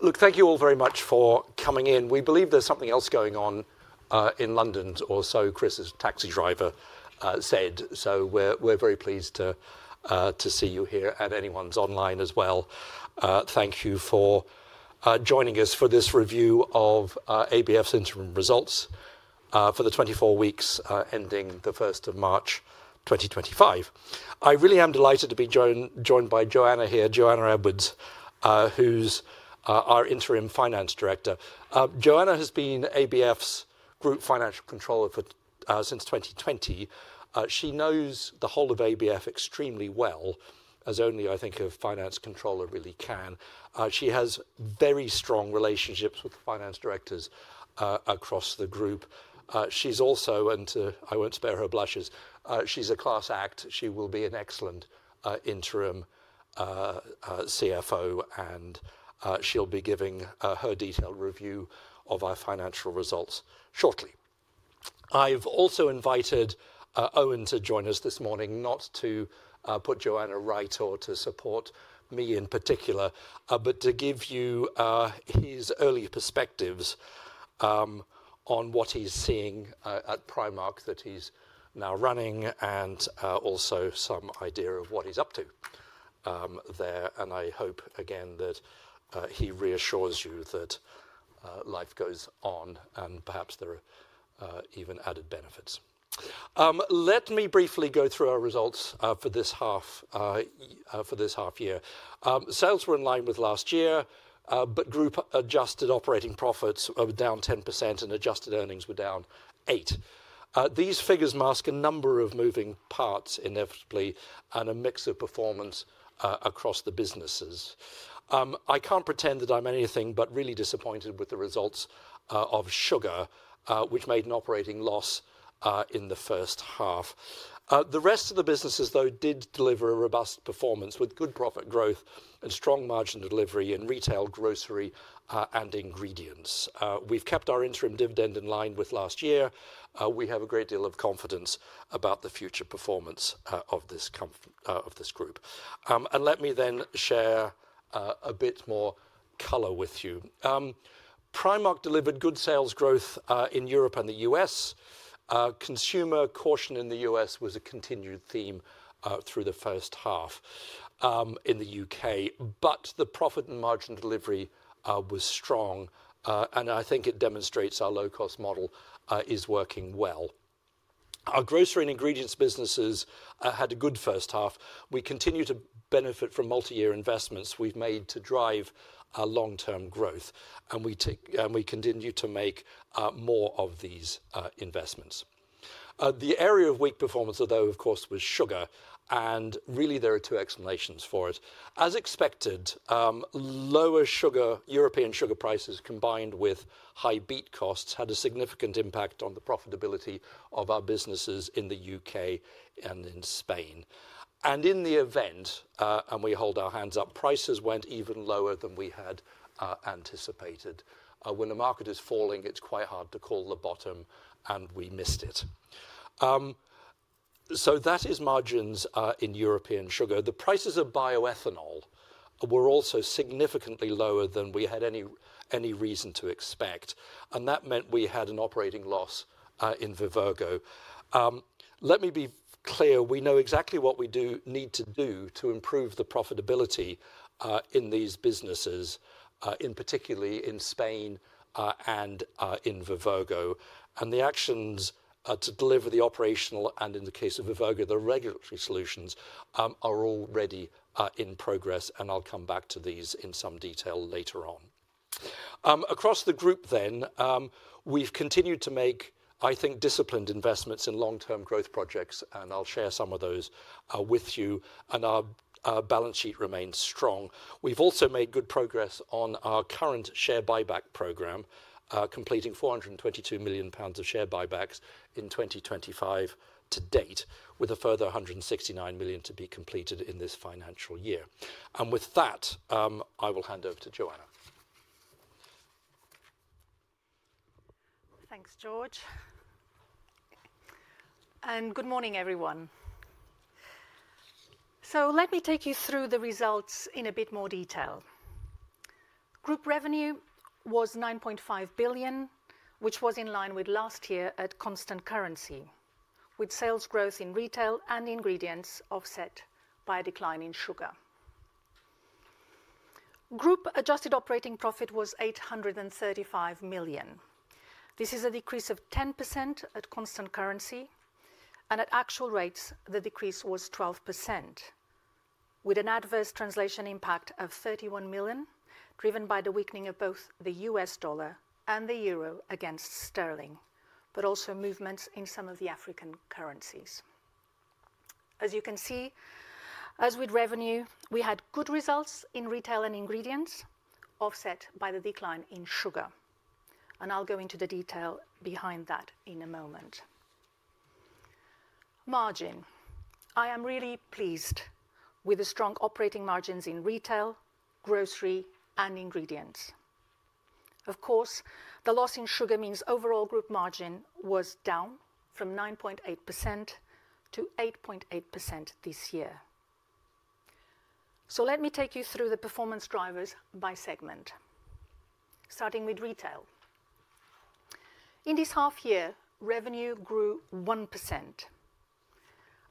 Look, thank you all very much for coming in. We believe there's something else going on in London, or so Chris, as a taxi driver, said. We are very pleased to see you here, and anyone online as well. Thank you for joining us for this review of ABF's interim results for the 24 weeks ending the 1st of March 2025. I really am delighted to be joined by Joanna here, Joanna Edwards, who's our Interim Finance Director. Joanna has been ABF's Group Financial Controller since 2020. She knows the whole of ABF extremely well, as only, I think, a finance controller really can. She has very strong relationships with the finance directors across the group. She's also, and I won't spare her blushes, she's a class act. She will be an excellent interim CFO, and she'll be giving her detailed review of our financial results shortly. I've also invited Eoin to join us this morning, not to put Joanna right or to support me in particular, but to give you his early perspectives on what he's seeing at Primark, that he's now running, and also some idea of what he's up to there. I hope, again, that he reassures you that life goes on and perhaps there are even added benefits. Let me briefly go through our results for this half, for this half year. Sales were in line with last year, but group adjusted operating profits were down 10%, and adjusted earnings were down 8%. These figures mask a number of moving parts inevitably and a mix of performance across the businesses. I can't pretend that I'm anything but really disappointed with the results of sugar, which made an operating loss in the first half. The rest of the businesses, though, did deliver a robust performance with good profit growth and strong margin delivery in retail, grocery, and ingredients. We've kept our interim dividend in line with last year. We have a great deal of confidence about the future performance of this group. Let me then share a bit more color with you. Primark delivered good sales growth in Europe and the U.S. Consumer caution in the U.S. was a continued theme through the first half. In the U.K., the profit and margin delivery was strong. I think it demonstrates our low-cost model is working well. Our grocery and ingredients businesses had a good first half. We continue to benefit from multi-year investments we've made to drive our long-term growth, and we continue to make more of these investments. The area of weak performance, although, of course, was sugar, and really there are two explanations for it. As expected, lower European sugar prices combined with high beet costs had a significant impact on the profitability of our businesses in the U.K. and in Spain. In the event, and we hold our hands up, prices went even lower than we had anticipated. When the market is falling, it's quite hard to call the bottom, and we missed it. That is margins in European sugar. The prices of bioethanol were also significantly lower than we had any reason to expect, and that meant we had an operating loss in Vivergo. Let me be clear, we know exactly what we do need to do to improve the profitability in these businesses, in particularly in Spain, and in Vivergo. The actions to deliver the operational, and in the case of Vivergo, the regulatory solutions, are already in progress, and I'll come back to these in some detail later on. Across the group then, we've continued to make, I think, disciplined investments in long-term growth projects, and I'll share some of those with you, and our balance sheet remains strong. We've also made good progress on our current share buyback program, completing 422 million pounds of share buybacks in 2025 to date, with a further 169 million to be completed in this financial year. With that, I will hand over to Joanna. Thanks, George. Good morning, everyone. Let me take you through the results in a bit more detail. Group revenue was 9.5 billion, which was in line with last year at constant currency, with sales growth in retail and ingredients offset by a decline in sugar. Group adjusted operating profit was 835 million. This is a decrease of 10% at constant currency, and at actual rates, the decrease was 12%, with an adverse translation impact of 31 million, driven by the weakening of both the U.S. dollar and the euro against sterling, but also movements in some of the African currencies. As you can see, as with revenue, we had good results in retail and ingredients, offset by the decline in sugar, and I'll go into the detail behind that in a moment. Margin. I am really pleased with the strong operating margins in retail, grocery, and ingredients. Of course, the loss in sugar means overall group margin was down from 9.8% to 8.8% this year. Let me take you through the performance drivers by segment, starting with retail. In this half year, revenue grew 1%.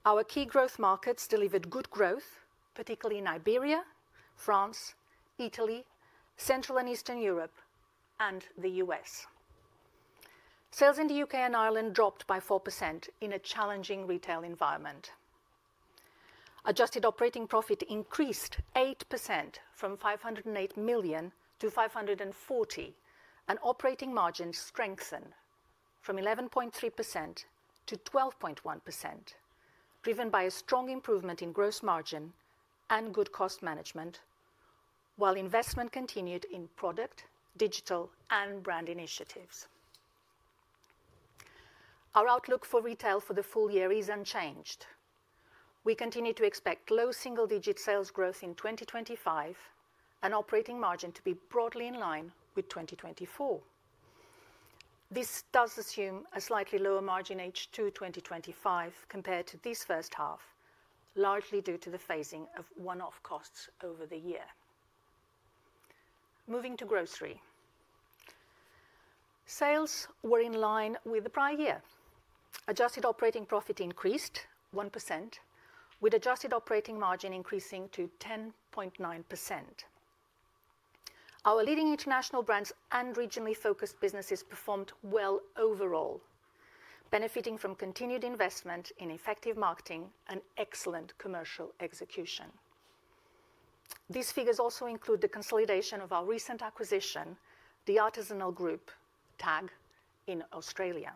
Our key growth markets delivered good growth, particularly in Iberia, France, Italy, Central and Eastern Europe, and the U.S. Sales in the U.K. and Ireland dropped by 4% in a challenging retail environment. Adjusted operating profit increased 8% from 508 million to 540 million, and operating margin strengthened from 11.3% to 12.1%, driven by a strong improvement in gross margin and good cost management, while investment continued in product, digital, and brand initiatives. Our outlook for retail for the full year is unchanged. We continue to expect low single-digit sales growth in 2025 and operating margin to be broadly in line with 2024. This does assume a slightly lower margin H2 2025 compared to this first half, largely due to the phasing of one-off costs over the year. Moving to grocery. Sales were in line with the prior year. Adjusted operating profit increased 1%, with adjusted operating margin increasing to 10.9%. Our leading international brands and regionally focused businesses performed well overall, benefiting from continued investment in effective marketing and excellent commercial execution. These figures also include the consolidation of our recent acquisition, The Artisanal Group, TAG, in Australia.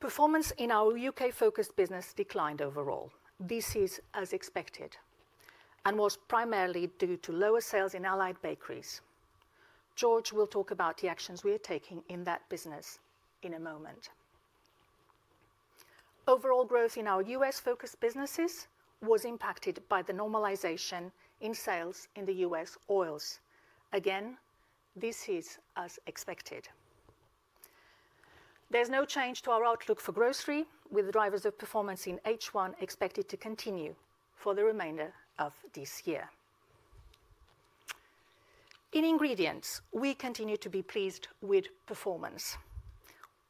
Performance in our U.K.-focused business declined overall. This is as expected and was primarily due to lower sales in Allied Bakeries. George will talk about the actions we are taking in that business in a moment. Overall growth in our U.S.-focused businesses was impacted by the normalization in sales in the U.S. oils. Again, this is as expected. There's no change to our outlook for grocery, with the drivers of performance in H1 expected to continue for the remainder of this year. In ingredients, we continue to be pleased with performance.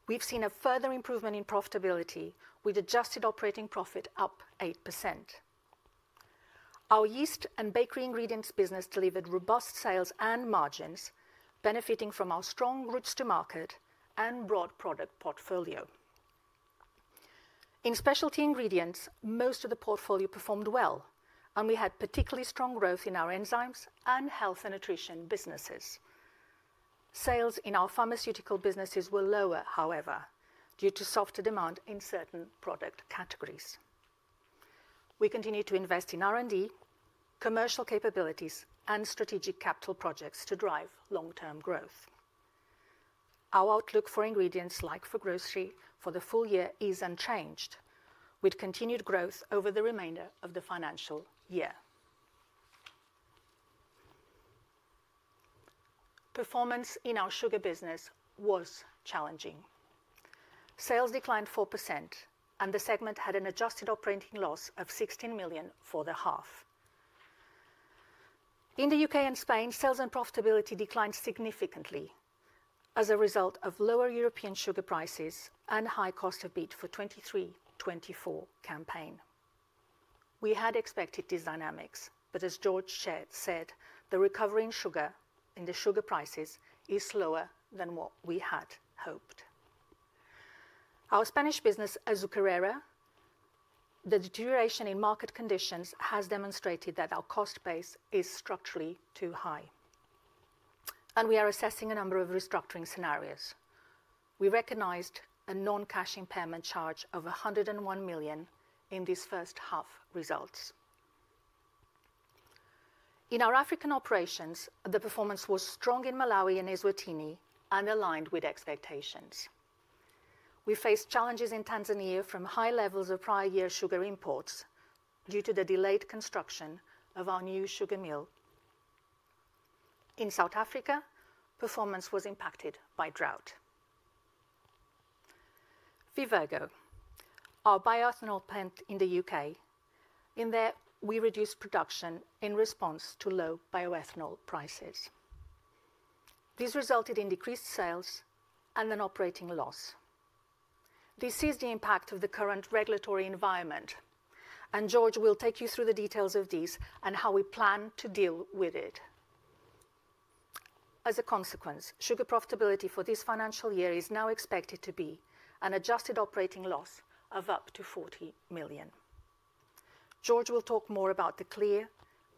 We've seen a further improvement in profitability, with adjusted operating profit up 8%. Our yeast and bakery ingredients business delivered robust sales and margins, benefiting from our strong routes to market and broad product portfolio. In specialty ingredients, most of the portfolio performed well, and we had particularly strong growth in our enzymes and health and nutrition businesses. Sales in our pharmaceutical businesses were lower, however, due to softer demand in certain product categories. We continue to invest in R&D, commercial capabilities, and strategic capital projects to drive long-term growth. Our outlook for ingredients like for grocery for the full year is unchanged, with continued growth over the remainder of the financial year. Performance in our sugar business was challenging. Sales declined 4%, and the segment had an adjusted operating loss of 16 million for the half. In the U.K. and Spain, sales and profitability declined significantly as a result of lower European sugar prices and high cost of beet for the 2023-2024 campaign. We had expected these dynamics, but as George said, the recovery in sugar, in the sugar prices, is slower than what we had hoped. Our Spanish business, Azucarera, the deterioration in market conditions has demonstrated that our cost base is structurally too high, and we are assessing a number of restructuring scenarios. We recognized a non-cash impairment charge of 101 million in this first half results. In our African operations, the performance was strong in Malawi and Eswatini, and aligned with expectations. We faced challenges in Tanzania from high levels of prior year sugar imports due to the delayed construction of our new sugar mill. In South Africa, performance was impacted by drought. Vivergo, our bioethanol plant in the U.K., in there, we reduced production in response to low bioethanol prices. This resulted in decreased sales and an operating loss. This is the impact of the current regulatory environment, and George will take you through the details of this and how we plan to deal with it. As a consequence, sugar profitability for this financial year is now expected to be an adjusted operating loss of up to 40 million. George will talk more about the clear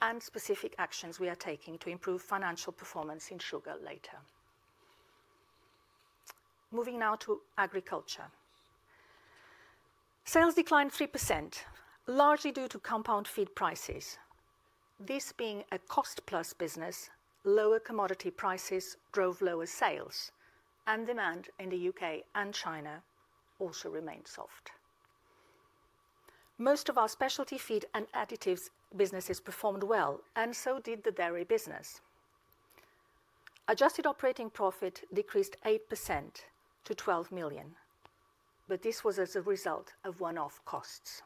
and specific actions we are taking to improve financial performance in sugar later. Moving now to agriculture. Sales declined 3%, largely due to compound feed prices. This being a cost-plus business, lower commodity prices drove lower sales, and demand in the U.K. and China also remained soft. Most of our specialty feed and additives businesses performed well, and so did the dairy business. Adjusted operating profit decreased 8% to 12 million, but this was as a result of one-off costs.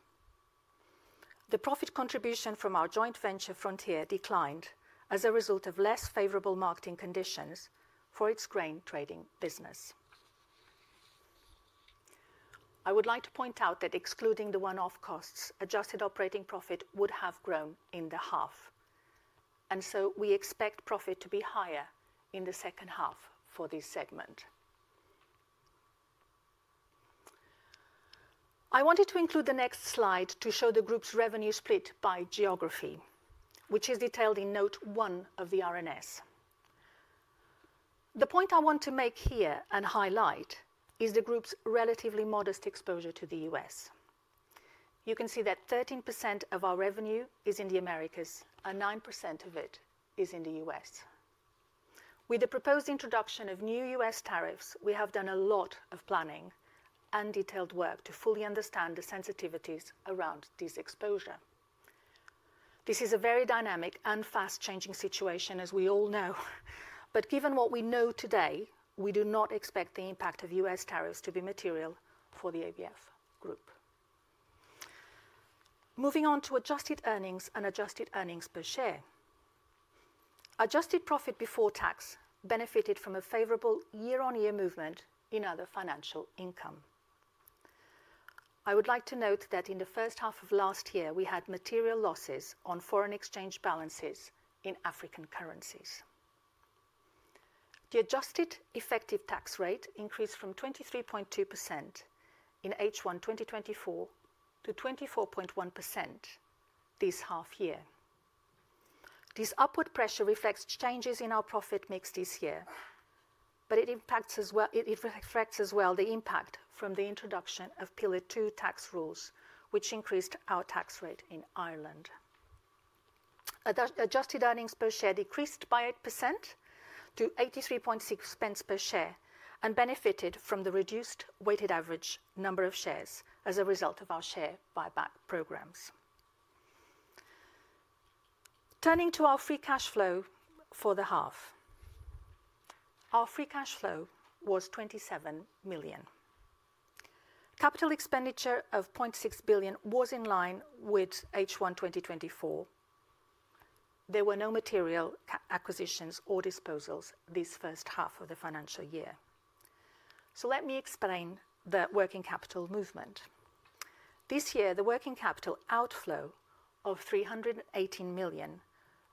The profit contribution from our joint venture Frontier declined as a result of less favorable marketing conditions for its grain trading business. I would like to point out that excluding the one-off costs, adjusted operating profit would have grown in the half, and we expect profit to be higher in the second half for this segment. I wanted to include the next slide to show the group's revenue split by geography, which is detailed in note one of the R&S. The point I want to make here and highlight is the group's relatively modest exposure to the U.S. You can see that 13% of our revenue is in the Americas, and 9% of it is in the U.S. With the proposed introduction of new U.S. tariffs, we have done a lot of planning and detailed work to fully understand the sensitivities around this exposure. This is a very dynamic and fast-changing situation, as we all know, but given what we know today, we do not expect the impact of U.S. tariffs to be material for the ABF group. Moving on to adjusted earnings and adjusted earnings per share. Adjusted profit before tax benefited from a favorable year-on-year movement in other financial income. I would like to note that in the first half of last year, we had material losses on foreign exchange balances in African currencies. The adjusted effective tax rate increased from 23.2% in H1 2024 to 24.1% this half year. This upward pressure reflects changes in our profit mix this year, but it impacts as well, it reflects as well the impact from the introduction of Pillar Two tax rules, which increased our tax rate in Ireland. Adjusted earnings per share decreased by 8% to 0.836 per share and benefited from the reduced weighted average number of shares as a result of our share buyback programs. Turning to our free cash flow for the half. Our free cash flow was 27 million. Capital expenditure of 0.6 billion was in line with H1 2024. There were no material acquisitions or disposals this first half of the financial year. Let me explain the working capital movement. This year, the working capital outflow of 318 million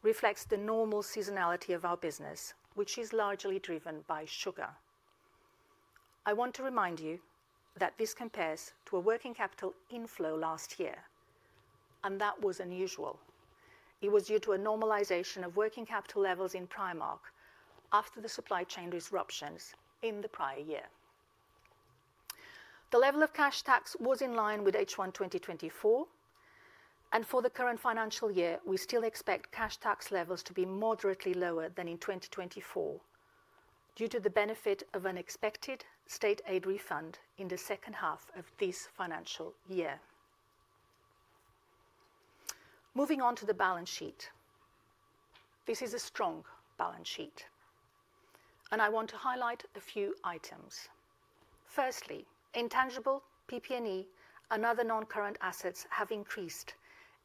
reflects the normal seasonality of our business, which is largely driven by sugar. I want to remind you that this compares to a working capital inflow last year, and that was unusual. It was due to a normalization of working capital levels in Primark after the supply chain disruptions in the prior year. The level of cash tax was in line with H1 2024, and for the current financial year, we still expect cash tax levels to be moderately lower than in 2024 due to the benefit of an expected state aid refund in the second half of this financial year. Moving on to the balance sheet. This is a strong balance sheet, and I want to highlight a few items. Firstly, intangible PP&E and other non-current assets have increased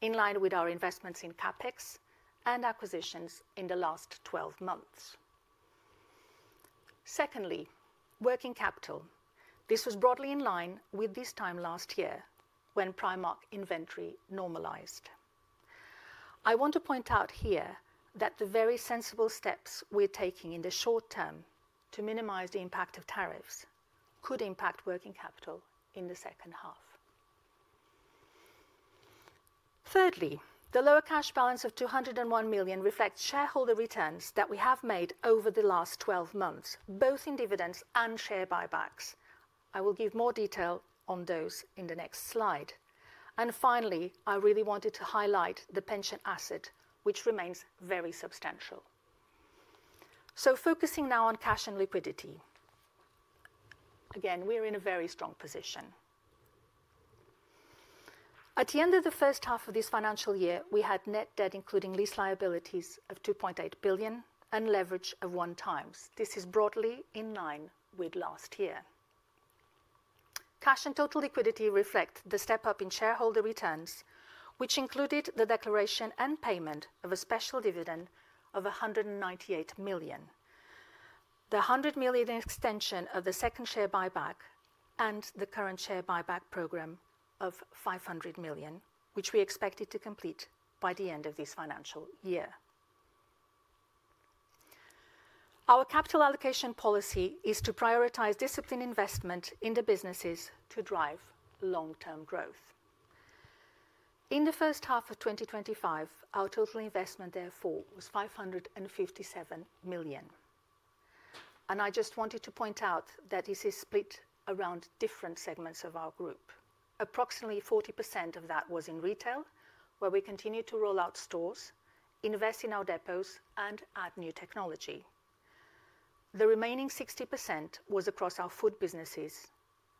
in line with our investments in CapEx and acquisitions in the last 12 months. Secondly, working capital. This was broadly in line with this time last year when Primark inventory normalized. I want to point out here that the very sensible steps we're taking in the short term to minimize the impact of tariffs could impact working capital in the second half. Thirdly, the lower cash balance of 201 million reflects shareholder returns that we have made over the last 12 months, both in dividends and share buybacks. I will give more detail on those in the next slide. I really wanted to highlight the pension asset, which remains very substantial. Focusing now on cash and liquidity. Again, we are in a very strong position. At the end of the first half of this financial year, we had net debt, including lease liabilities of 2.8 billion and leverage of one times. This is broadly in line with last year. Cash and total liquidity reflect the step up in shareholder returns, which included the declaration and payment of a special dividend of 198 million, the 100 million extension of the second share buyback, and the current share buyback program of 500 million, which we expected to complete by the end of this financial year. Our capital allocation policy is to prioritize disciplined investment in the businesses to drive long-term growth. In the first half of 2025, our total investment, therefore, was 557 million. I just wanted to point out that this is split around different segments of our group. Approximately 40% of that was in retail, where we continue to roll out stores, invest in our depots, and add new technology. The remaining 60% was across our food businesses,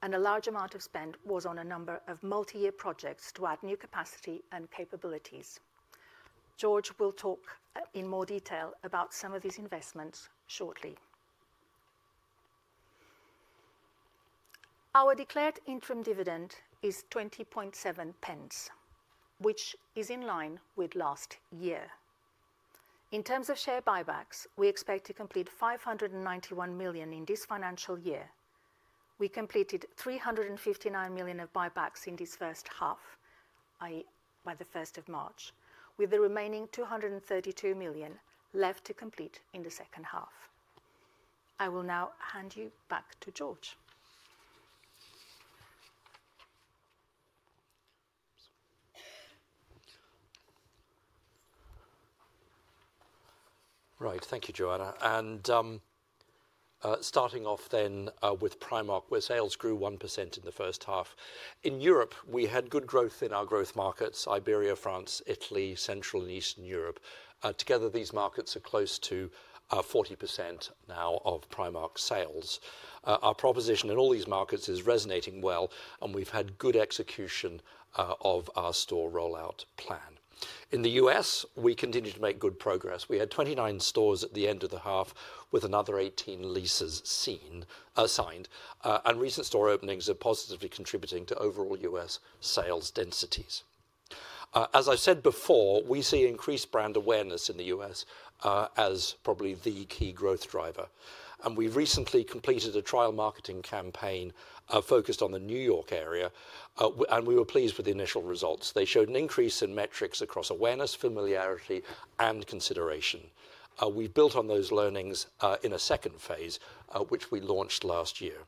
and a large amount of spend was on a number of multi-year projects to add new capacity and capabilities. George will talk in more detail about some of these investments shortly. Our declared interim dividend is 0.207, which is in line with last year. In terms of share buybacks, we expect to complete 591 million in this financial year. We completed 359 million of buybacks in this first half, i.e., by the 1st of March, with the remaining 232 million left to complete in the second half. I will now hand you back to George. Right, thank you, Joanna. Starting off then with Primark, where sales grew 1% in the first half. In Europe, we had good growth in our growth markets: Iberia, France, Italy, Central and Eastern Europe. Together, these markets are close to 40% now of Primark sales. Our proposition in all these markets is resonating well, and we have had good execution of our store rollout plan. In the U.S., we continue to make good progress. We had 29 stores at the end of the half, with another 18 leases signed, and recent store openings are positively contributing to overall U.S. sales densities. As I have said before, we see increased brand awareness in the U.S. as probably the key growth driver. We have recently completed a trial marketing campaign focused on the New York area, and we were pleased with the initial results. They showed an increase in metrics across awareness, familiarity, and consideration. We have built on those learnings in a second phase, which we launched last year.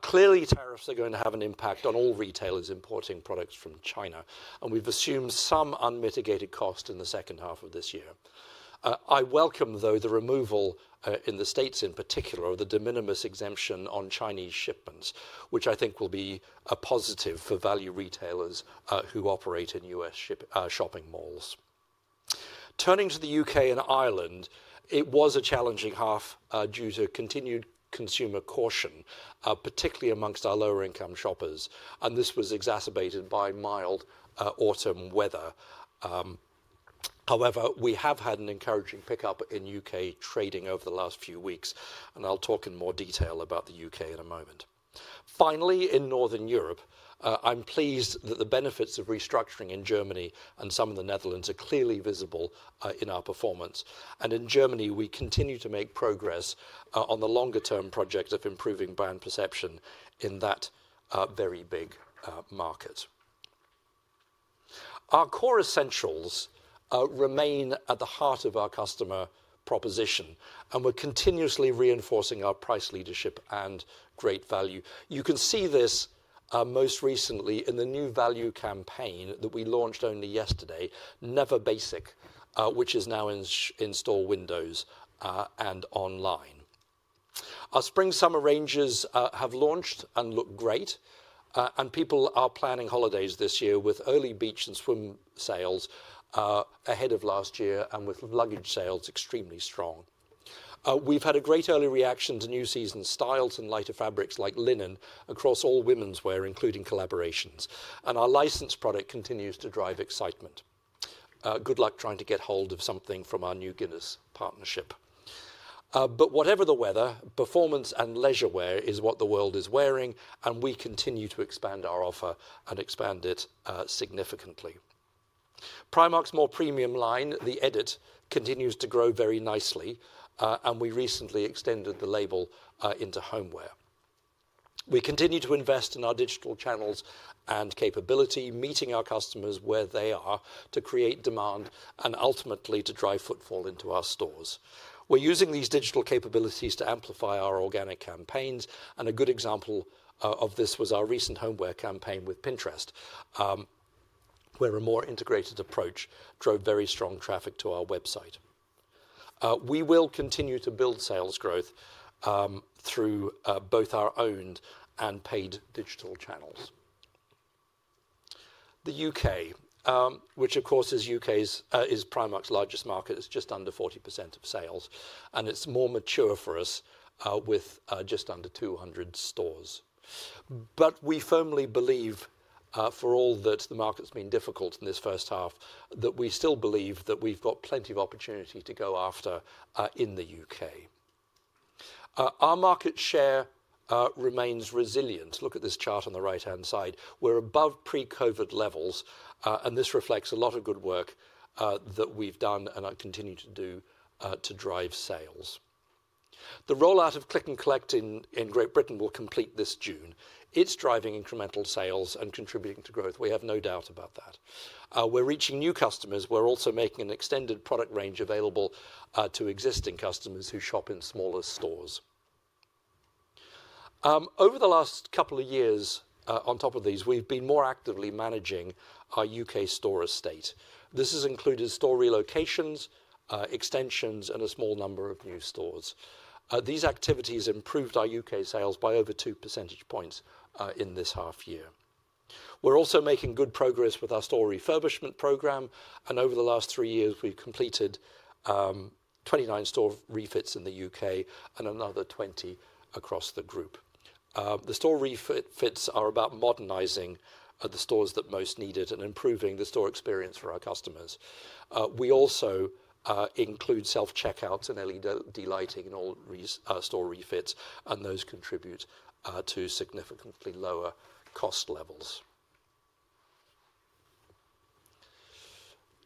Clearly, tariffs are going to have an impact on all retailers importing products from China, and we've assumed some unmitigated cost in the second half of this year. I welcome, though, the removal in the U.S. in particular of the de minimis exemption on Chinese shipments, which I think will be a positive for value retailers who operate in U.S. shopping malls. Turning to the U.K. and Ireland, it was a challenging half due to continued consumer caution, particularly amongst our lower-income shoppers, and this was exacerbated by mild autumn weather. However, we have had an encouraging pickup in U.K. trading over the last few weeks, and I'll talk in more detail about the U.K. in a moment. Finally, in Northern Europe, I'm pleased that the benefits of restructuring in Germany and some of the Netherlands are clearly visible in our performance. In Germany, we continue to make progress on the longer-term project of improving brand perception in that very big market. Our core essentials remain at the heart of our customer proposition, and we're continuously reinforcing our price leadership and great value. You can see this most recently in the new value campaign that we launched only yesterday, Never Basic, which is now in store windows and online. Our spring summer ranges have launched and look great, and people are planning holidays this year with early beach and swim sales ahead of last year and with luggage sales extremely strong. We've had a great early reaction to new season styles and lighter fabrics like linen across all women's wear, including collaborations, and our licensed product continues to drive excitement. Good luck trying to get hold of something from our new Guinness partnership. Whatever the weather, performance and leisure wear is what the world is wearing, and we continue to expand our offer and expand it significantly. Primark's more premium line, The Edit, continues to grow very nicely, and we recently extended the label into homeware. We continue to invest in our digital channels and capability, meeting our customers where they are to create demand and ultimately to drive footfall into our stores. We're using these digital capabilities to amplify our organic campaigns, and a good example of this was our recent homeware campaign with Pinterest, where a more integrated approach drove very strong traffic to our website. We will continue to build sales growth through both our owned and paid digital channels. The U.K., which of course is Primark's largest market, is just under 40% of sales, and it's more mature for us with just under 200 stores. We firmly believe, for all that the market's been difficult in this first half, that we still believe that we've got plenty of opportunity to go after in the U.K. Our market share remains resilient. Look at this chart on the right-hand side. We're above pre-COVID levels, and this reflects a lot of good work that we've done and continue to do to drive sales. The rollout of Click and Collect in Great Britain will complete this June. It's driving incremental sales and contributing to growth. We have no doubt about that. We're reaching new customers. We're also making an extended product range available to existing customers who shop in smaller stores. Over the last couple of years, on top of these, we've been more actively managing our U.K. store estate. This has included store relocations, extensions, and a small number of new stores. These activities improved our U.K. sales by over two percentage points in this half year. We're also making good progress with our store refurbishment program, and over the last three years, we've completed 29 store refits in the U.K. and another 20 across the group. The store refits are about modernizing the stores that most needed and improving the store experience for our customers. We also include self-checkouts and LED lighting in all store refits, and those contribute to significantly lower cost levels.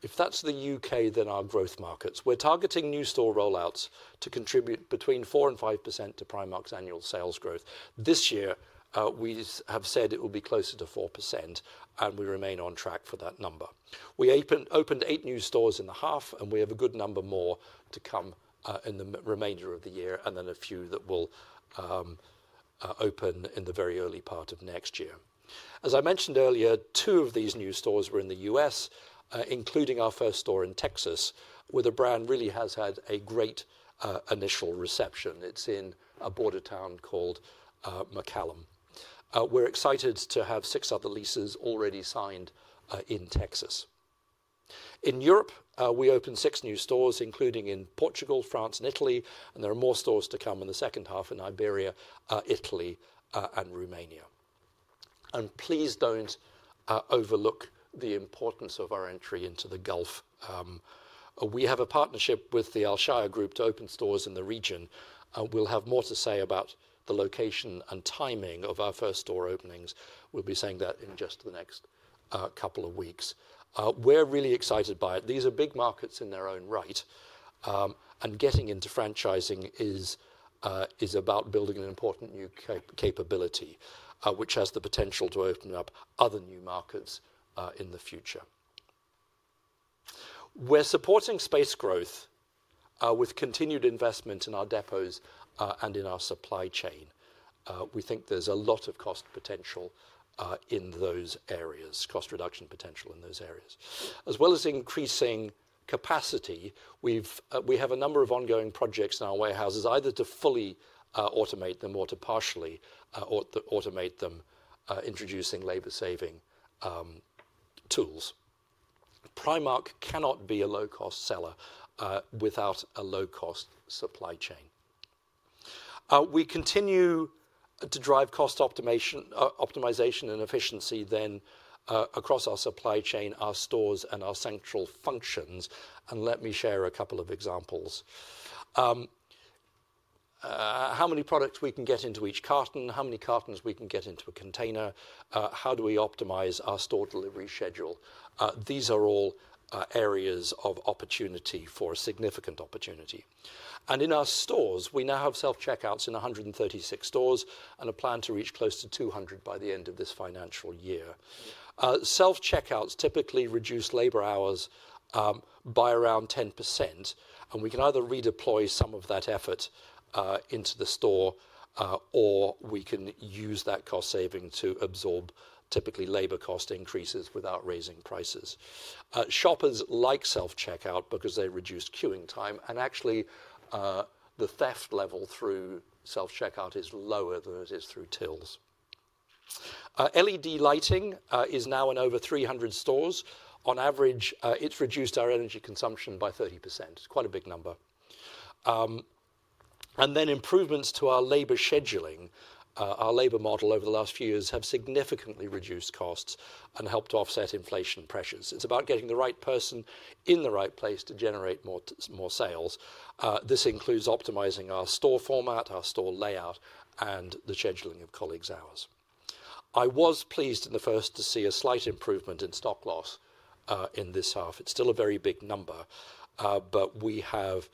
If that's the U.K., then our growth markets. We're targeting new store rollouts to contribute between 4% and 5% to Primark's annual sales growth. This year, we have said it will be closer to 4%, and we remain on track for that number. We opened eight new stores in the half, and we have a good number more to come in the remainder of the year, and then a few that will open in the very early part of next year. As I mentioned earlier, two of these new stores were in the U.S., including our first store in Texas, where the brand really has had a great initial reception. It's in a border town called McAllen. We're excited to have six other leases already signed in Texas. In Europe, we opened six new stores, including in Portugal, France, and Italy, and there are more stores to come in the second half in Iberia, Italy, and Romania. Please don't overlook the importance of our entry into the Gulf. We have a partnership with the Al Shair Group to open stores in the region. We'll have more to say about the location and timing of our first store openings. We'll be saying that in just the next couple of weeks. We're really excited by it. These are big markets in their own right, and getting into franchising is about building an important new capability, which has the potential to open up other new markets in the future. We're supporting space growth with continued investment in our depots and in our supply chain. We think there's a lot of cost potential in those areas, cost reduction potential in those areas. As well as increasing capacity, we have a number of ongoing projects in our warehouses, either to fully automate them or to partially automate them, introducing labor-saving tools. Primark cannot be a low-cost seller without a low-cost supply chain. We continue to drive cost optimization and efficiency across our supply chain, our stores, and our central functions. Let me share a couple of examples. How many products we can get into each carton, how many cartons we can get into a container, how do we optimize our store delivery schedule. These are all areas of opportunity for significant opportunity. In our stores, we now have self-checkouts in 136 stores and a plan to reach close to 200 by the end of this financial year. Self-checkouts typically reduce labor hours by around 10%, and we can either redeploy some of that effort into the store or we can use that cost saving to absorb typically labor cost increases without raising prices. Shoppers like self-checkout because they reduce queuing time, and actually the theft level through self-checkout is lower than it is through tills. LED lighting is now in over 300 stores. On average, it's reduced our energy consumption by 30%. It's quite a big number. Improvements to our labor scheduling, our labor model over the last few years have significantly reduced costs and helped offset inflation pressures. It's about getting the right person in the right place to generate more sales. This includes optimizing our store format, our store layout, and the scheduling of colleagues' hours. I was pleased in the first to see a slight improvement in stock loss in this half. It's still a very big number, but we have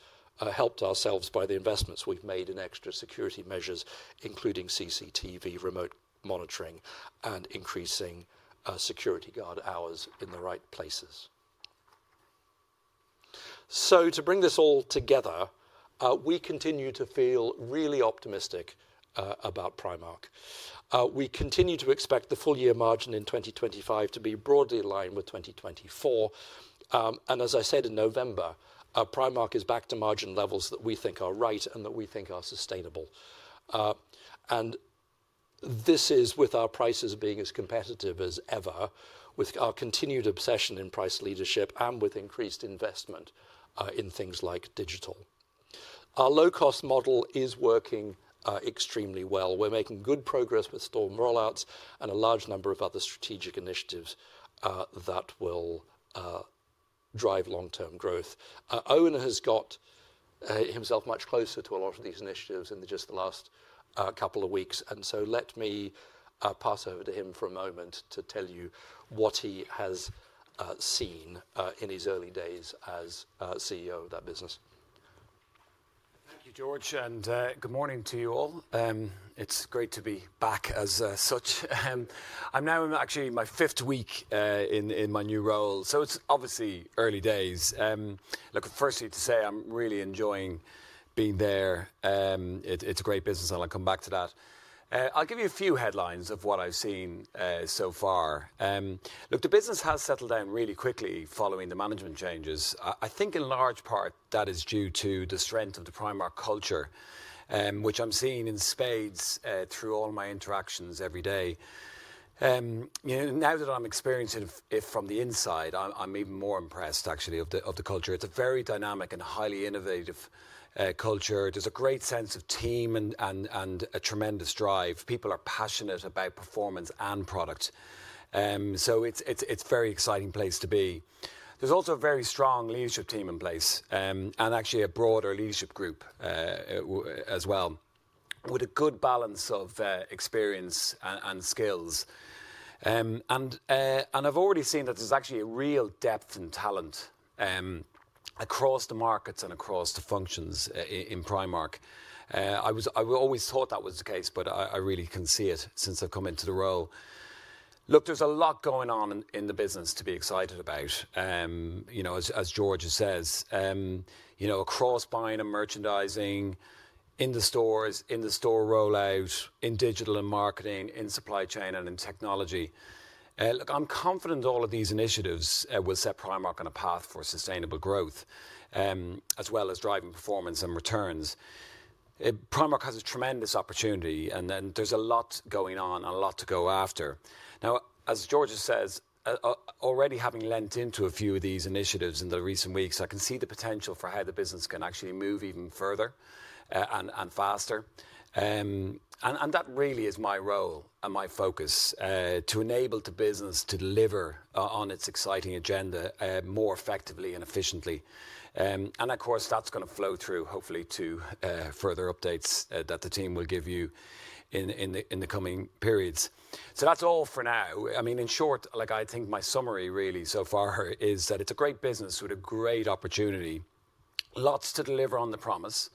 helped ourselves by the investments we've made in extra security measures, including CCTV, remote monitoring, and increasing security guard hours in the right places. To bring this all together, we continue to feel really optimistic about Primark. We continue to expect the full year margin in 2025 to be broadly aligned with 2024. As I said in November, Primark is back to margin levels that we think are right and that we think are sustainable. This is with our prices being as competitive as ever, with our continued obsession in price leadership and with increased investment in things like digital. Our low-cost model is working extremely well. We are making good progress with store rollouts and a large number of other strategic initiatives that will drive long-term growth. Eoin has got himself much closer to a lot of these initiatives in just the last couple of weeks, so let me pass over to him for a moment to tell you what he has seen in his early days as CEO of that business. Thank you, George, and good morning to you all. It's great to be back as such. I'm now in actually my fifth week in my new role, so it's obviously early days. Look, firstly to say I'm really enjoying being there. It's a great business, and I'll come back to that. I'll give you a few headlines of what I've seen so far. Look, the business has settled down really quickly following the management changes. I think in large part that is due to the strength of the Primark culture, which I'm seeing in spades through all my interactions every day. Now that I'm experiencing it from the inside, I'm even more impressed actually of the culture. It's a very dynamic and highly innovative culture. There's a great sense of team and a tremendous drive. People are passionate about performance and product. It's a very exciting place to be. There's also a very strong leadership team in place and actually a broader leadership group as well, with a good balance of experience and skills. I've already seen that there's actually a real depth and talent across the markets and across the functions in Primark. I always thought that was the case, but I really can see it since I've come into the role. Look, there's a lot going on in the business to be excited about, as George says, across buying and merchandising, in the stores, in the store rollout, in digital and marketing, in supply chain, and in technology. Look, I'm confident all of these initiatives will set Primark on a path for sustainable growth as well as driving performance and returns. Primark has a tremendous opportunity, and then there's a lot going on and a lot to go after. Now, as George says, already having lent into a few of these initiatives in the recent weeks, I can see the potential for how the business can actually move even further and faster. That really is my role and my focus to enable the business to deliver on its exciting agenda more effectively and efficiently. Of course, that's going to flow through hopefully to further updates that the team will give you in the coming periods. That's all for now. I mean, in short, I think my summary really so far is that it's a great business with a great opportunity, lots to deliver on the promise,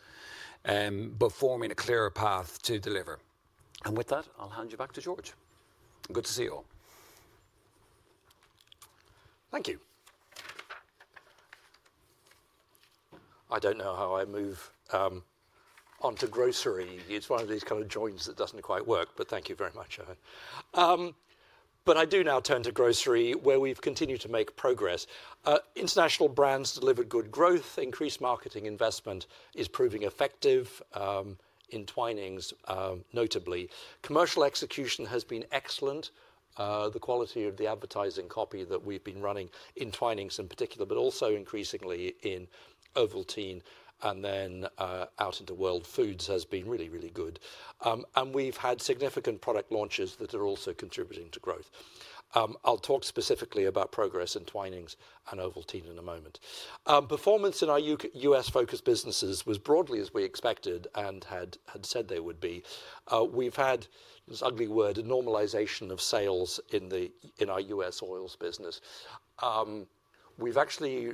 but forming a clearer path to deliver. With that, I'll hand you back to George. Good to see you all. Thank you. I don't know how I move on to grocery. It's one of these kind of joints that doesn't quite work, but thank you very much. I do now turn to grocery where we've continued to make progress. International brands delivered good growth. Increased marketing investment is proving effective, Twinings notably. Commercial execution has been excellent. The quality of the advertising copy that we've been running, Twinings in particular, but also increasingly in Ovaltine and then out into World Foods, has been really, really good. We've had significant product launches that are also contributing to growth. I'll talk specifically about progress, Twinings and Ovaltine in a moment. Performance in our U.S.-focused businesses was broadly as we expected and had said they would be. We've had, this ugly word, a normalization of sales in our U.S. oils business. We've actually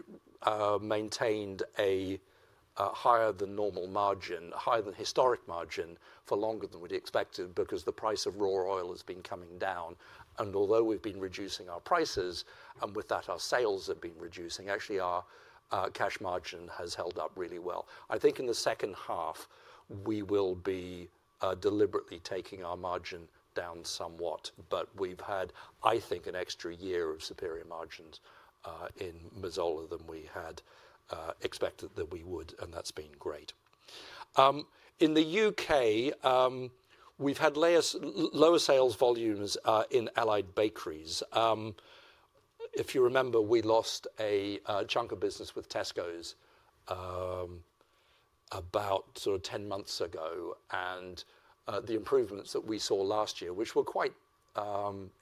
maintained a higher than normal margin, a higher than historic margin for longer than we'd expected because the price of raw oil has been coming down. Although we've been reducing our prices and with that our sales have been reducing, actually our cash margin has held up really well. I think in the second half we will be deliberately taking our margin down somewhat, but we've had, I think, an extra year of superior margins in Mazola than we had expected that we would, and that's been great. In the U.K., we've had lower sales volumes in Allied Bakeries. If you remember, we lost a chunk of business with Tesco about sort of 10 months ago, and the improvements that we saw last year, which were quite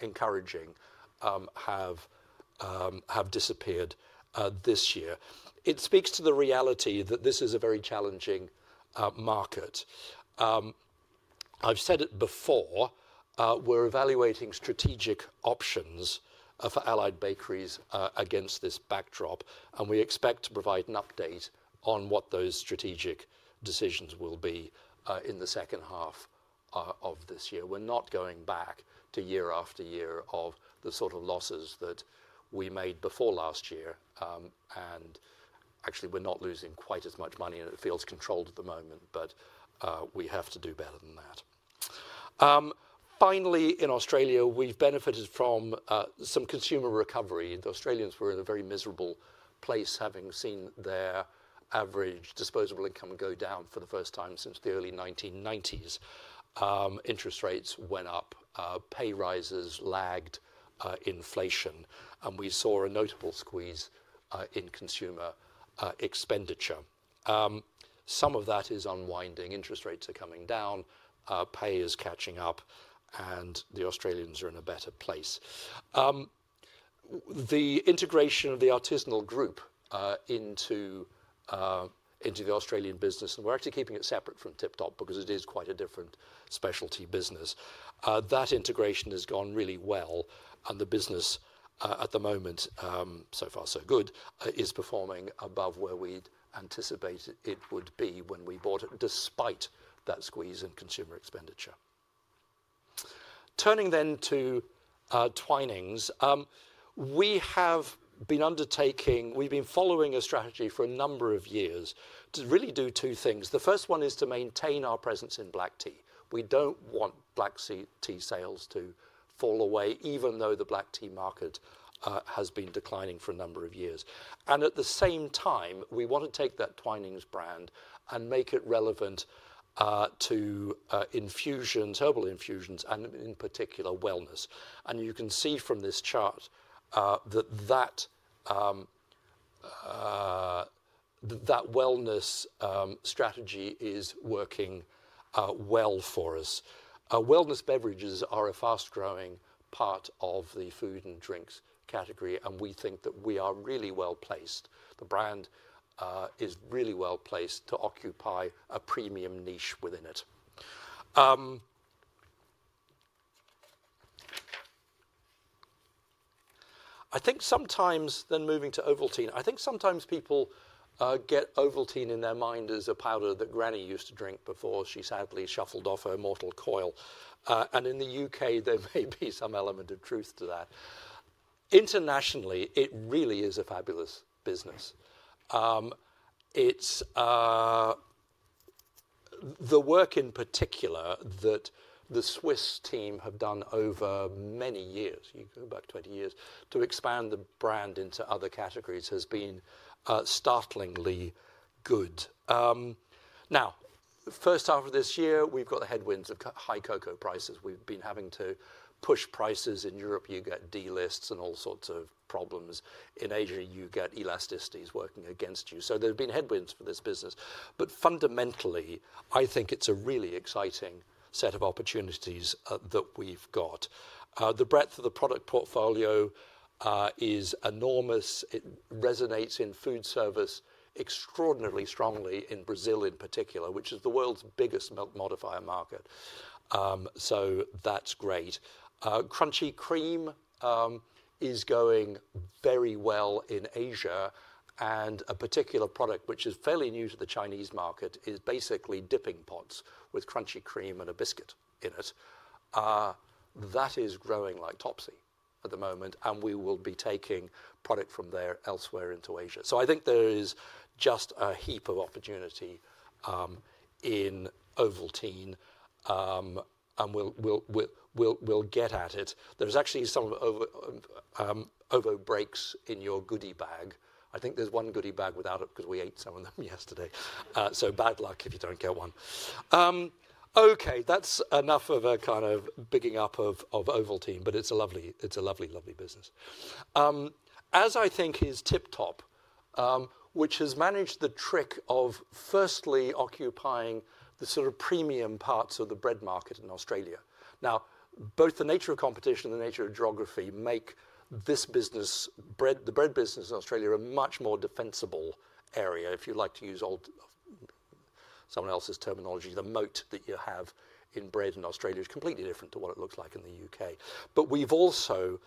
encouraging, have disappeared this year. It speaks to the reality that this is a very challenging market. I've said it before, we're evaluating strategic options for Allied Bakeries against this backdrop, and we expect to provide an update on what those strategic decisions will be in the second half of this year. We're not going back to year after year of the sort of losses that we made before last year, and actually we're not losing quite as much money, and it feels controlled at the moment, but we have to do better than that. Finally, in Australia, we've benefited from some consumer recovery. The Australians were in a very miserable place, having seen their average disposable income go down for the first time since the early 1990s. Interest rates went up, pay rises lagged inflation, and we saw a notable squeeze in consumer expenditure. Some of that is unwinding. Interest rates are coming down, pay is catching up, and the Australians are in a better place. The integration of the Artisanal Group into the Australian business, and we're actually keeping it separate from Tip Top because it is quite a different specialty business. That integration has gone really well, and the business at the moment, so far so good, is performing above where we anticipated it would be when we bought it despite that squeeze in consumer expenditure. Turning then to Twinings, we have been undertaking, we've been following a strategy for a number of years to really do two things. The first one is to maintain our presence in black tea. We don't want black tea sales to fall away, even though the black tea market has been declining for a number of years. At the same time, we want to take that Twinings brand and make it relevant to infusions, herbal infusions, and in particular wellness. You can see from this chart that that wellness strategy is working well for us. Wellness beverages are a fast-growing part of the food and drinks category, and we think that we are really well placed. The brand is really well placed to occupy a premium niche within it. I think sometimes, then moving to Ovaltine, I think sometimes people get Ovaltine in their mind as a powder that granny used to drink before she sadly shuffled off her mortal coil. In the U.K., there may be some element of truth to that. Internationally, it really is a fabulous business. The work in particular that the Swiss team have done over many years, you go back 20 years to expand the brand into other categories has been startlingly good. Now, first half of this year, we've got the headwinds of high cocoa prices. We've been having to push prices in Europe. You get D-lists and all sorts of problems. In Asia, you get elasticities working against you. There have been headwinds for this business. Fundamentally, I think it's a really exciting set of opportunities that we've got. The breadth of the product portfolio is enormous. It resonates in food service extraordinarily strongly in Brazil in particular, which is the world's biggest milk modifier market. That's great. Crunchy Cream is going very well in Asia, and a particular product which is fairly new to the Chinese market is basically dipping pots with Crunchy Cream and a biscuit in it. That is growing like topsy at the moment, and we will be taking product from there elsewhere into Asia. I think there is just a heap of opportunity in Ovaltine, and we'll get at it. There's actually some Ovo breaks in your goodie bag. I think there's one goodie bag without it because we ate some of them yesterday. So bad luck if you don't get one. Okay, that's enough of a kind of bigging up of Ovaltine, but it's a lovely, lovely, lovely business. As I think is Tip Top, which has managed the trick of firstly occupying the sort of premium parts of the bread market in Australia. Now, both the nature of competition and the nature of geography make this business, the bread business in Australia, a much more defensible area, if you like to use someone else's terminology, the moat that you have in bread in Australia is completely different to what it looks like in the U.K. But we've also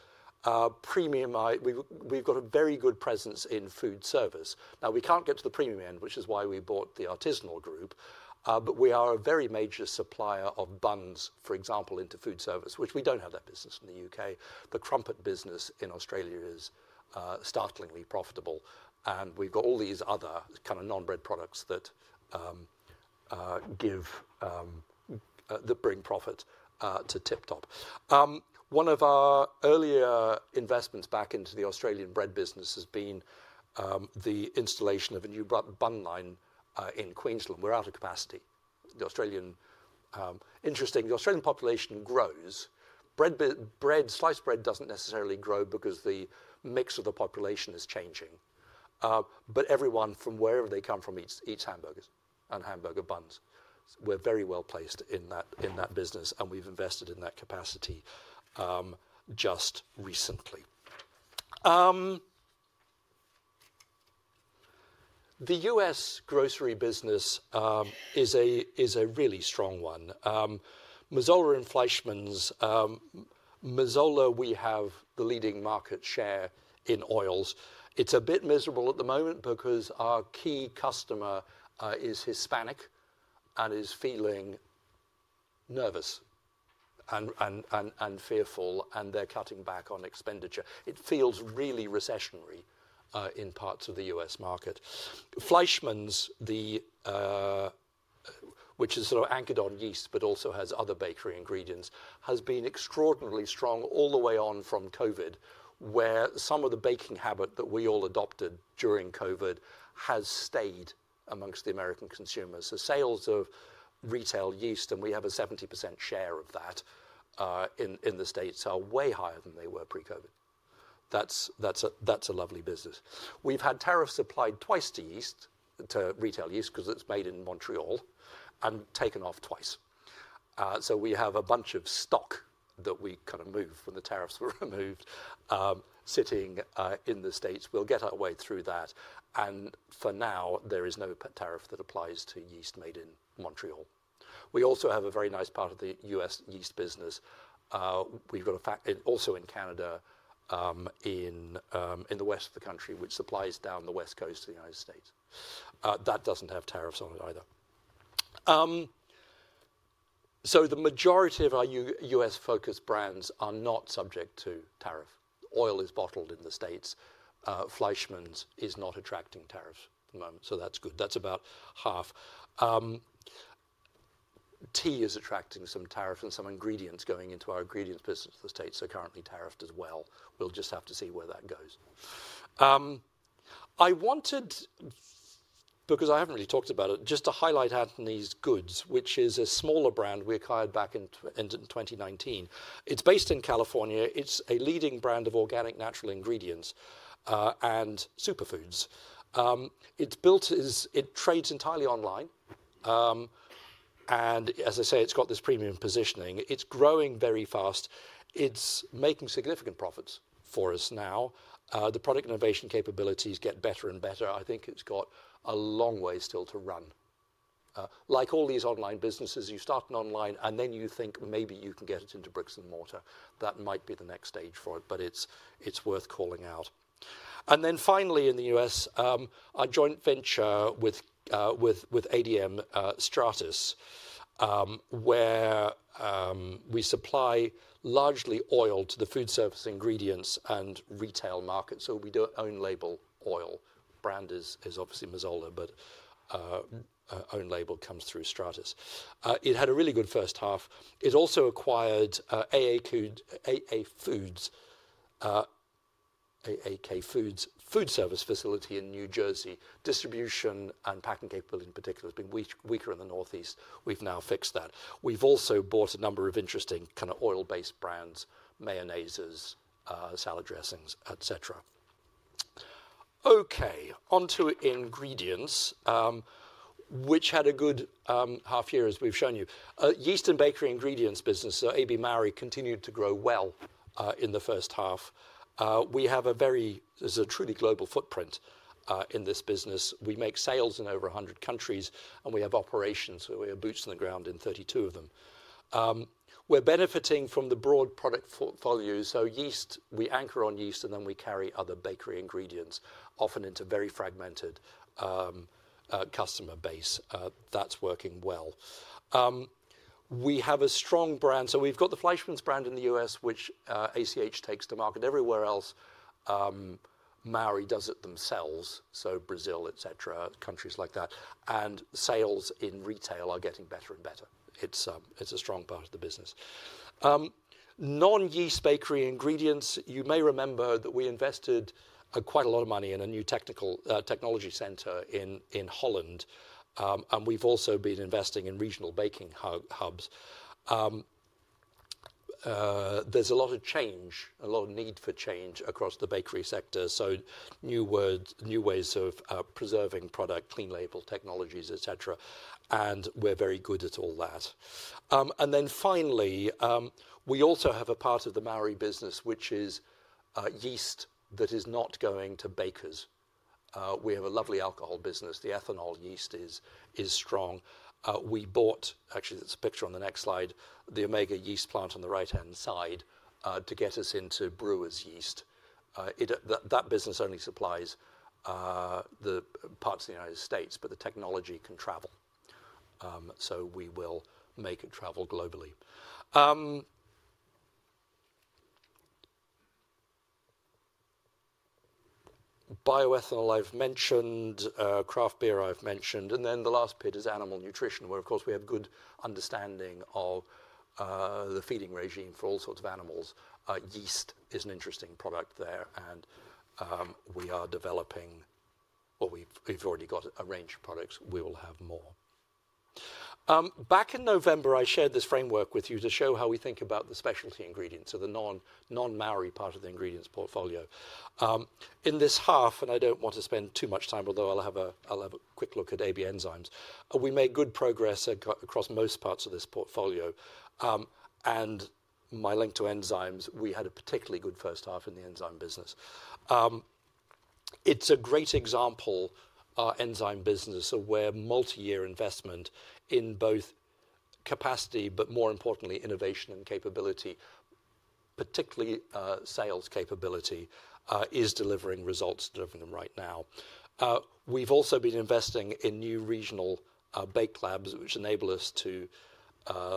premiumized, we've got a very good presence in food service. Now, we can't get to the premium end, which is why we bought the Artisanal Group, but we are a very major supplier of buns, for example, into food service, which we don't have that business in the U.K. The crumpet business in Australia is startlingly profitable, and we've got all these other kind of non-bread products that bring profit to Tip Top. One of our earlier investments back into the Australian bread business has been the installation of a new bun line in Queensland. We're out of capacity. The Australian population grows. Bread, sliced bread doesn't necessarily grow because the mix of the population is changing. Everyone from wherever they come from eats hamburgers and hamburger buns. We're very well placed in that business, and we've invested in that capacity just recently. The U.S. grocery business is a really strong one. Mazola and Fleischmann's, Mazola, we have the leading market share in oils. It's a bit miserable at the moment because our key customer is Hispanic and is feeling nervous and fearful, and they're cutting back on expenditure. It feels really recessionary in parts of the U.S. market. Fleischmann's, which is sort of anchored on yeast but also has other bakery ingredients, has been extraordinarily strong all the way on from COVID, where some of the baking habit that we all adopted during COVID has stayed amongst the American consumers. The sales of retail yeast, and we have a 70% share of that in the States, are way higher than they were pre-COVID. That's a lovely business. We've had tariffs applied twice to yeast, to retail yeast because it's made in Montreal, and taken off twice. We have a bunch of stock that we kind of moved when the tariffs were removed sitting in the States. We'll get our way through that. For now, there is no tariff that applies to yeast made in Montreal. We also have a very nice part of the U.S. yeast business. We've got a factory also in Canada, in the west of the country, which supplies down the west coast of the United States. That doesn't have tariffs on it either. The majority of our U.S.-focused brands are not subject to tariff. Oil is bottled in the States. Fleischmann's is not attracting tariffs at the moment, so that's good. That's about half. Tea is attracting some tariffs and some ingredients going into our ingredients business. The States are currently tariffed as well. We'll just have to see where that goes. I wanted, because I haven't really talked about it, just to highlight Anthony's Goods, which is a smaller brand we acquired back in 2019. It's based in California. It's a leading brand of organic natural ingredients and superfoods. It's built, it trades entirely online, and as I say, it's got this premium positioning. It's growing very fast. It's making significant profits for us now. The product innovation capabilities get better and better. I think it's got a long way still to run. Like all these online businesses, you start online and then you think maybe you can get it into bricks and mortar. That might be the next stage for it, but it's worth calling out. Finally in the U.S., a joint venture with ADM Stratus, where we supply largely oil to the food service ingredients and retail market. We don't own label oil. Brand is obviously Mazola, but own label comes through Stratas. It had a really good first half. It also acquired AAK Foods, food service facility in New Jersey. Distribution and packing capability in particular has been weaker in the northeast. We've now fixed that. We've also bought a number of interesting kind of oil-based brands, mayonnaises, salad dressings, etc. Okay, onto ingredients, which had a good half year, as we've shown you. Yeast and bakery ingredients business, so AB Mauri, continued to grow well in the first half. We have a very, it's a truly global footprint in this business. We make sales in over 100 countries, and we have operations where we have boots on the ground in 32 of them. We're benefiting from the broad product portfolio. So yeast, we anchor on yeast, and then we carry other bakery ingredients, often into very fragmented customer base. That's working well. We have a strong brand. We've got the Fleischmann's brand in the U.S., which ACH takes to market. Everywhere else, Mauri does it themselves. Brazil, etc., countries like that. Sales in retail are getting better and better. It's a strong part of the business. Non-yeast bakery ingredients, you may remember that we invested quite a lot of money in a new technology center in Holland, and we've also been investing in regional baking hubs. There's a lot of change, a lot of need for change across the bakery sector. New ways of preserving product, clean label technologies, etc. We're very good at all that. Finally, we also have a part of the Mauri business, which is yeast that is not going to bakers. We have a lovely alcohol business. The ethanol yeast is strong. We bought, actually, it's a picture on the next slide, the Omega yeast plant on the right-hand side to get us into brewers' yeast. That business only supplies the parts of the United States, but the technology can travel. We will make it travel globally. Bioethanol I've mentioned, craft beer I've mentioned, and the last pit is animal nutrition, where of course we have good understanding of the feeding regime for all sorts of animals. Yeast is an interesting product there, and we are developing, or we've already got a range of products. We will have more. Back in November, I shared this framework with you to show how we think about the specialty ingredients, so the non-Mauri part of the ingredients portfolio. In this half, and I don't want to spend too much time, although I'll have a quick look at AB Enzymes, we made good progress across most parts of this portfolio. My link to enzymes, we had a particularly good first half in the enzyme business. It's a great example, our enzyme business, of where multi-year investment in both capacity, but more importantly, innovation and capability, particularly sales capability, is delivering results that are of them right now. We've also been investing in new regional bake labs, which enable us to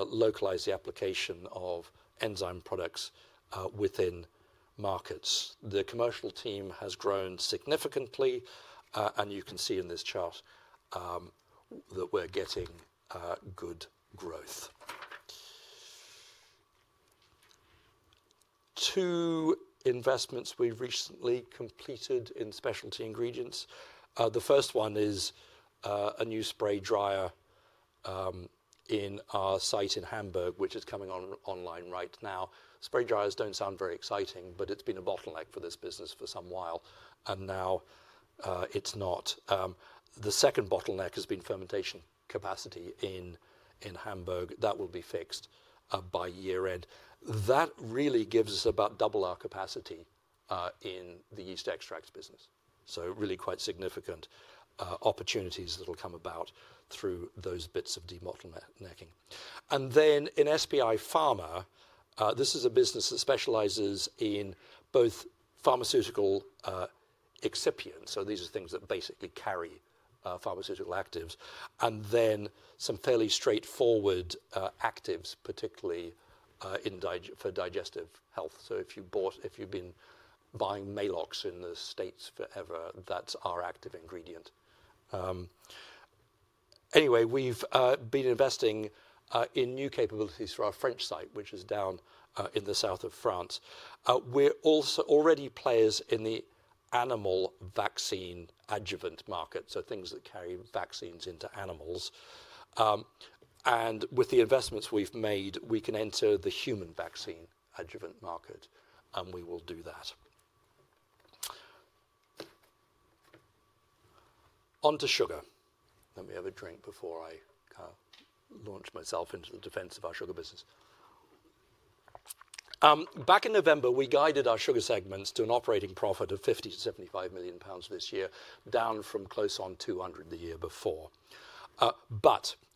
localize the application of enzyme products within markets. The commercial team has grown significantly, and you can see in this chart that we're getting good growth. Two investments we've recently completed in specialty ingredients. The first one is a new spray dryer in our site in Hamburg, which is coming online right now. Spray dryers do not sound very exciting, but it has been a bottleneck for this business for some while, and now it is not. The second bottleneck has been fermentation capacity in Hamburg. That will be fixed by year-end. That really gives us about double our capacity in the yeast extracts business. Really quite significant opportunities will come about through those bits of de-bottlenecking. In SPI Pharma, this is a business that specializes in both pharmaceutical excipients. These are things that basically carry pharmaceutical actives, and then some fairly straightforward actives, particularly for digestive health. If you have been buying Maalox in the States forever, that is our active ingredient. Anyway, we have been investing in new capabilities for our French site, which is down in the south of France. We are also already players in the animal vaccine adjuvant market, things that carry vaccines into animals. With the investments we've made, we can enter the human vaccine adjuvant market, and we will do that. Onto sugar. Let me have a drink before I kind of launch myself into the defense of our sugar business. Back in November, we guided our sugar segments to an operating profit of 50 million-75 million pounds this year, down from close on 200 million the year before.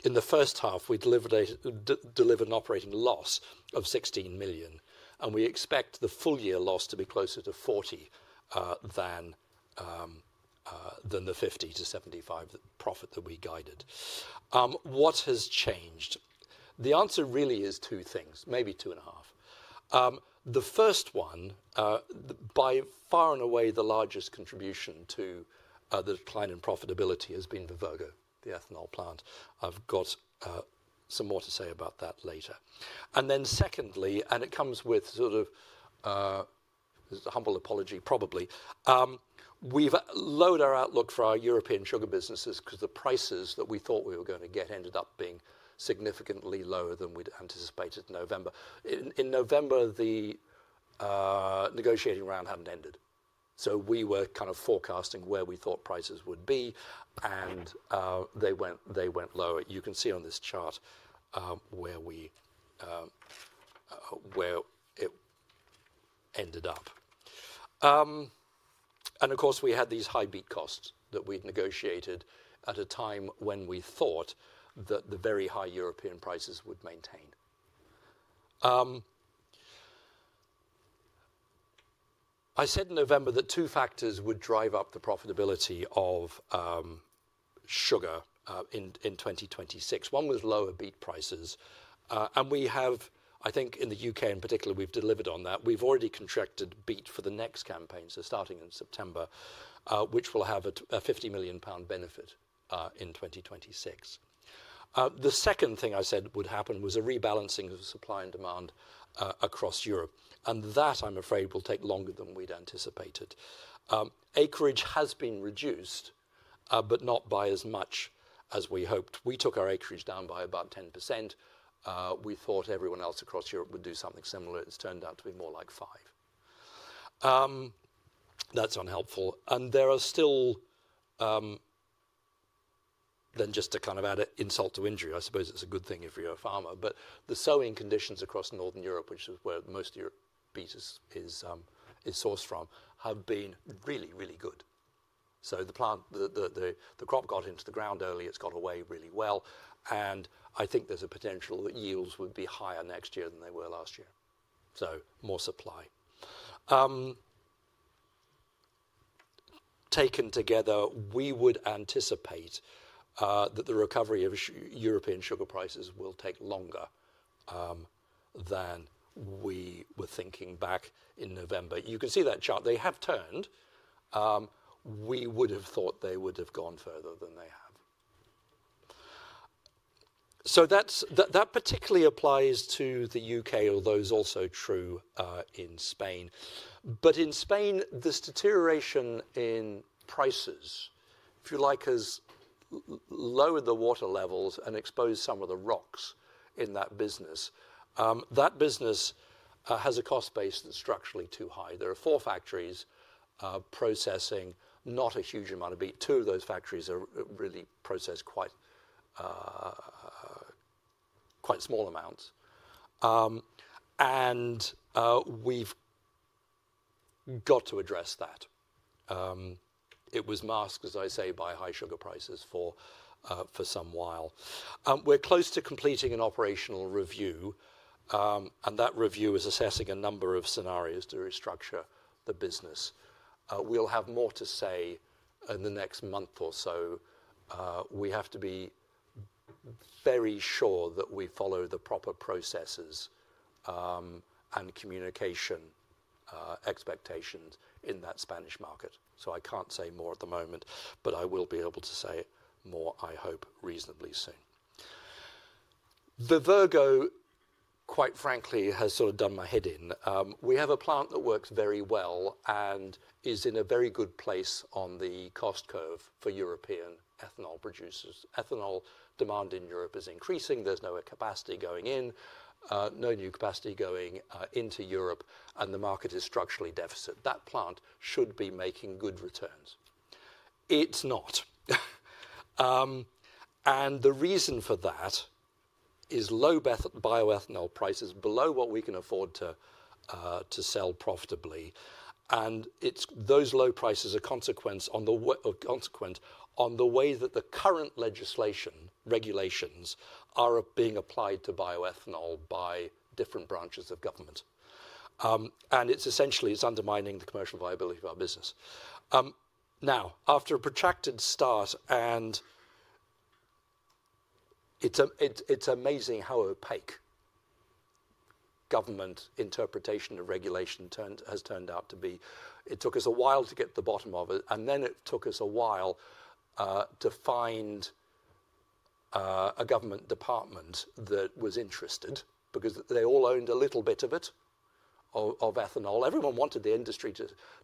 In the first half, we delivered an operating loss of 16 million, and we expect the full year loss to be closer to 40 million than the 50 million-75 million profit that we guided. What has changed? The answer really is two things, maybe two and a half. The first one, by far and away the largest contribution to the decline in profitability, has been Vivergo, the ethanol plant. I've got some more to say about that later. Secondly, and it comes with sort of a humble apology, probably, we've lowered our outlook for our European sugar businesses because the prices that we thought we were going to get ended up being significantly lower than we'd anticipated in November. In November, the negotiating round hadn't ended. We were kind of forecasting where we thought prices would be, and they went lower. You can see on this chart where it ended up. Of course, we had these high beet costs that we'd negotiated at a time when we thought that the very high European prices would maintain. I said in November that two factors would drive up the profitability of sugar in 2026. One was lower beet prices. I think in the U.K. in particular, we've delivered on that. We've already contracted beet for the next campaign, starting in September, which will have a 50 million pound benefit in 2026. The second thing I said would happen was a rebalancing of supply and demand across Europe. That, I'm afraid, will take longer than we'd anticipated. Acreage has been reduced, but not by as much as we hoped. We took our acreage down by about 10%. We thought everyone else across Europe would do something similar. It's turned out to be more like 5%. That's unhelpful. There are still, just to kind of add insult to injury, I suppose it's a good thing if you're a farmer, but the sowing conditions across northern Europe, which is where most of your beet is sourced from, have been really, really good. The crop got into the ground early. It's got away really well. I think there's a potential that yields would be higher next year than they were last year. More supply. Taken together, we would anticipate that the recovery of European sugar prices will take longer than we were thinking back in November. You can see that chart. They have turned. We would have thought they would have gone further than they have. That particularly applies to the U.K., although it's also true in Spain. In Spain, this deterioration in prices, if you like, has lowered the water levels and exposed some of the rocks in that business. That business has a cost base that's structurally too high. There are four factories processing not a huge amount of beet. Two of those factories really process quite small amounts. We've got to address that. It was masked, as I say, by high sugar prices for some while. We're close to completing an operational review, and that review is assessing a number of scenarios to restructure the business. We'll have more to say in the next month or so. We have to be very sure that we follow the proper processes and communication expectations in that Spanish market. I can't say more at the moment, but I will be able to say more, I hope, reasonably soon. Vivergo, quite frankly, has sort of done my head in. We have a plant that works very well and is in a very good place on the cost curve for European ethanol producers. Ethanol demand in Europe is increasing. There's no capacity going in, no new capacity going into Europe, and the market is structurally deficit. That plant should be making good returns. It's not. The reason for that is low bioethanol prices below what we can afford to sell profitably. Those low prices are a consequence of the way that the current legislation regulations are being applied to bioethanol by different branches of government. It is essentially undermining the commercial viability of our business. Now, after a protracted start, it is amazing how opaque government interpretation of regulation has turned out to be. It took us a while to get to the bottom of it, and then it took us a while to find a government department that was interested because they all owned a little bit of it, of ethanol. Everyone wanted the industry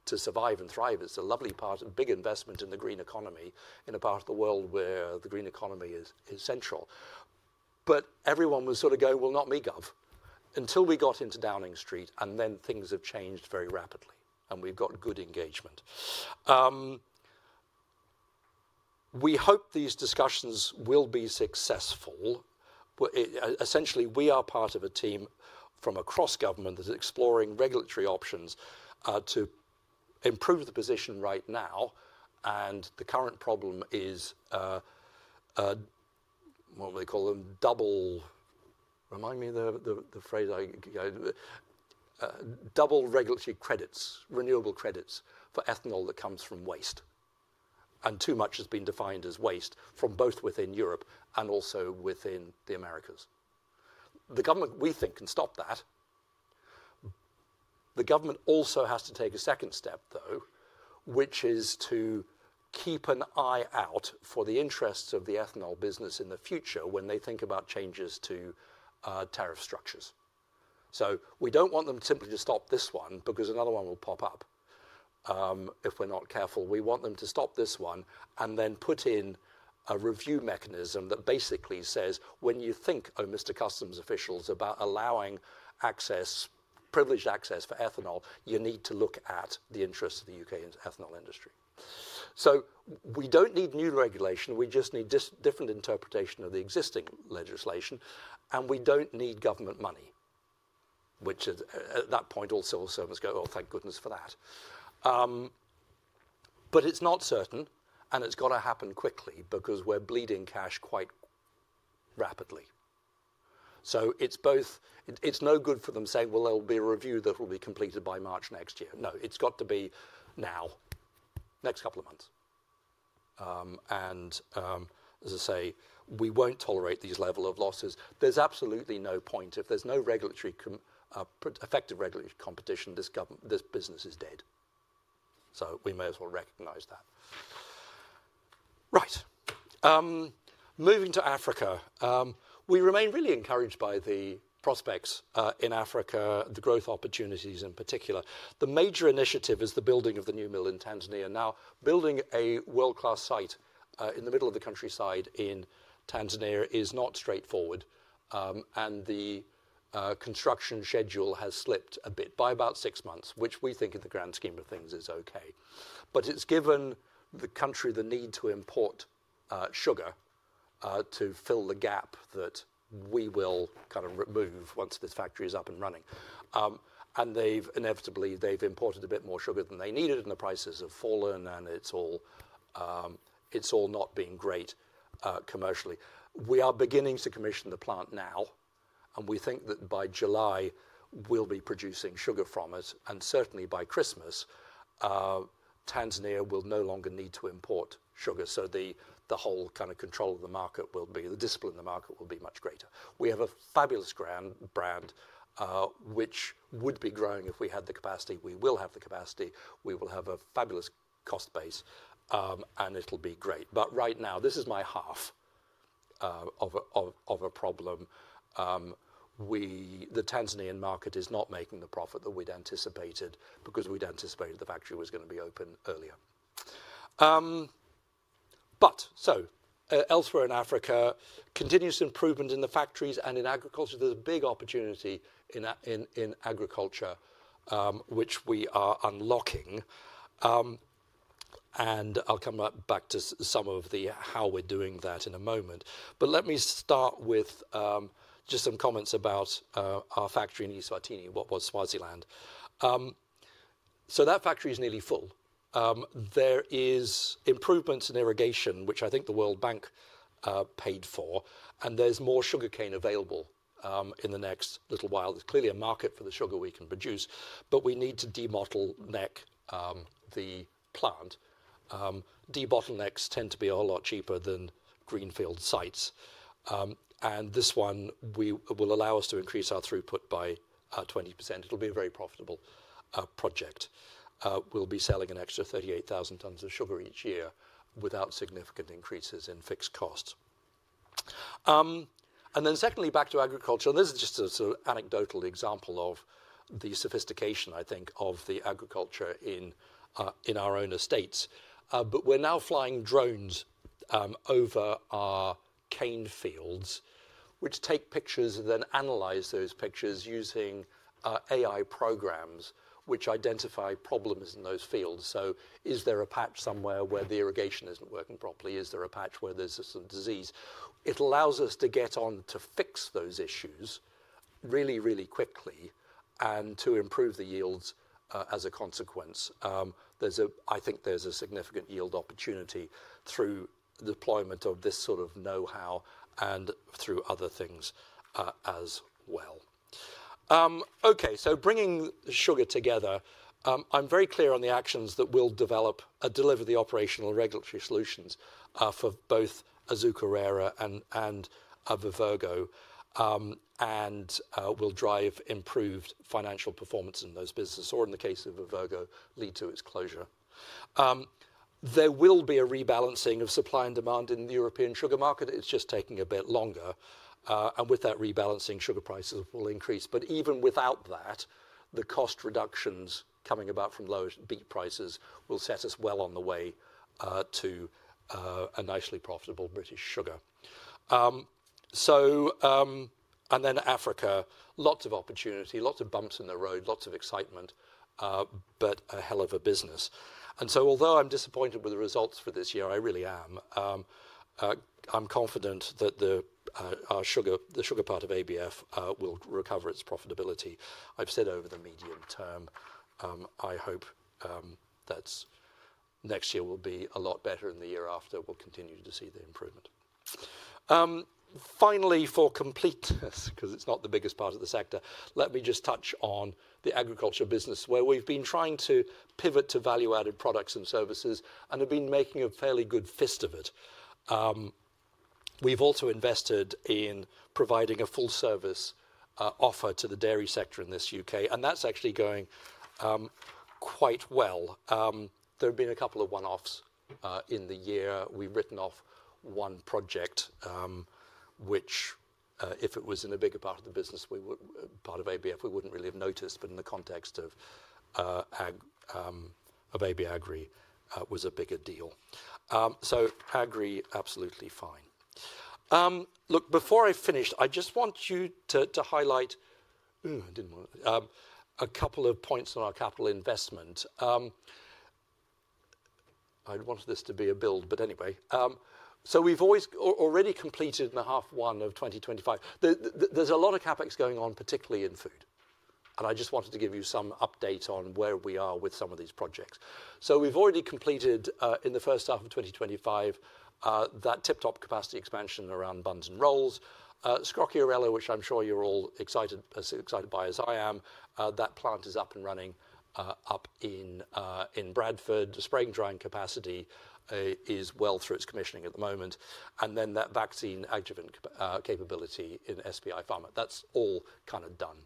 to survive and thrive. It is a lovely part of big investment in the green economy in a part of the world where the green economy is central. Everyone was sort of going, "Well, not me, Gov." Until we got into Downing Street, and then things have changed very rapidly, and we've got good engagement. We hope these discussions will be successful. Essentially, we are part of a team from across government that's exploring regulatory options to improve the position right now. The current problem is what we call them double—remind me the phrase I—double regulatory credits, renewable credits for ethanol that comes from waste. Too much has been defined as waste from both within Europe and also within the Americas. The government, we think, can stop that. The government also has to take a second step, though, which is to keep an eye out for the interests of the ethanol business in the future when they think about changes to tariff structures. We don't want them simply to stop this one because another one will pop up if we're not careful. We want them to stop this one and then put in a review mechanism that basically says, "When you think, Oh, Mr. Customs Officials, about allowing access, privileged access for ethanol, you need to look at the interests of the U.K. ethanol industry." We don't need new regulation. We just need different interpretation of the existing legislation. We don't need government money, which at that point, all civil servants go, "Oh, thank goodness for that." It's not certain, and it's got to happen quickly because we're bleeding cash quite rapidly. It's no good for them saying, "There'll be a review that will be completed by March next year." No, it's got to be now, next couple of months. As I say, we won't tolerate these levels of losses. There's absolutely no point. If there's no effective regulatory competition, this business is dead. We may as well recognize that. Right. Moving to Africa, we remain really encouraged by the prospects in Africa, the growth opportunities in particular. The major initiative is the building of the new mill in Tanzania. Now, building a world-class site in the middle of the countryside in Tanzania is not straightforward, and the construction schedule has slipped a bit by about six months, which we think in the grand scheme of things is okay. It has given the country the need to import sugar to fill the gap that we will kind of remove once this factory is up and running. Inevitably, they've imported a bit more sugar than they needed, and the prices have fallen, and it's all not been great commercially. We are beginning to commission the plant now, and we think that by July, we'll be producing sugar from it. Certainly by Christmas, Tanzania will no longer need to import sugar. The whole kind of control of the market will be—the discipline of the market will be much greater. We have a fabulous brand, which would be growing if we had the capacity. We will have the capacity. We will have a fabulous cost base, and it'll be great. Right now, this is my half of a problem. The Tanzanian market is not making the profit that we'd anticipated because we'd anticipated the factory was going to be open earlier. Elsewhere in Africa, continuous improvement in the factories and in agriculture. There's a big opportunity in agriculture, which we are unlocking. I'll come back to some of how we're doing that in a moment. Let me start with just some comments about our factory in Eswatini, what was Swaziland. That factory is nearly full. There are improvements in irrigation, which I think the World Bank paid for, and there's more sugarcane available in the next little while. There's clearly a market for the sugar we can produce, but we need to debottleneck the plant. Debottlenecks tend to be a whole lot cheaper than greenfield sites. This one will allow us to increase our throughput by 20%. It'll be a very profitable project. We'll be selling an extra 38,000 tons of sugar each year without significant increases in fixed costs. Secondly, back to agriculture. This is just a sort of anecdotal example of the sophistication, I think, of the agriculture in our own estates. We are now flying drones over our cane fields, which take pictures and then analyze those pictures using AI programs, which identify problems in those fields. Is there a patch somewhere where the irrigation is not working properly? Is there a patch where there is a disease? It allows us to get on to fix those issues really, really quickly and to improve the yields as a consequence. I think there is a significant yield opportunity through the deployment of this sort of know-how and through other things as well. Okay, bringing sugar together, I'm very clear on the actions that we'll develop and deliver the operational regulatory solutions for both Azucarera and Vivergo, and we'll drive improved financial performance in those businesses, or in the case of Vivergo, lead to its closure. There will be a rebalancing of supply and demand in the European sugar market. It's just taking a bit longer. With that rebalancing, sugar prices will increase. Even without that, the cost reductions coming about from low beet prices will set us well on the way to a nicely profitable British Sugar. Africa, lots of opportunity, lots of bumps in the road, lots of excitement, but a hell of a business. Although I'm disappointed with the results for this year, I really am, I'm confident that the sugar part of ABF will recover its profitability. I've said over the medium term, I hope that next year will be a lot better and the year after we'll continue to see the improvement. Finally, for completeness, because it's not the biggest part of the sector, let me just touch on the agriculture business, where we've been trying to pivot to value-added products and services and have been making a fairly good fist of it. We've also invested in providing a full-service offer to the dairy sector in the U.K., and that's actually going quite well. There have been a couple of one-offs in the year. We've written off one project, which if it was in a bigger part of the business, part of ABF, we wouldn't really have noticed, but in the context of AB Agri was a bigger deal. Agri, absolutely fine. Look, before I finish, I just want to highlight a couple of points on our capital investment. I wanted this to be a build, but anyway. We have already completed the half one of 2025. There is a lot of CapEx going on, particularly in food. I just wanted to give you some update on where we are with some of these projects. We have already completed in the first half of 2025 that Tip Top capacity expansion around buns and rolls. Scroccirello, which I am sure you are as excited by as I am, that plant is up and running up in Bradford. The spray drying capacity is well through its commissioning at the moment. That vaccine adjuvant capability in SPI Pharma, that is all kind of done.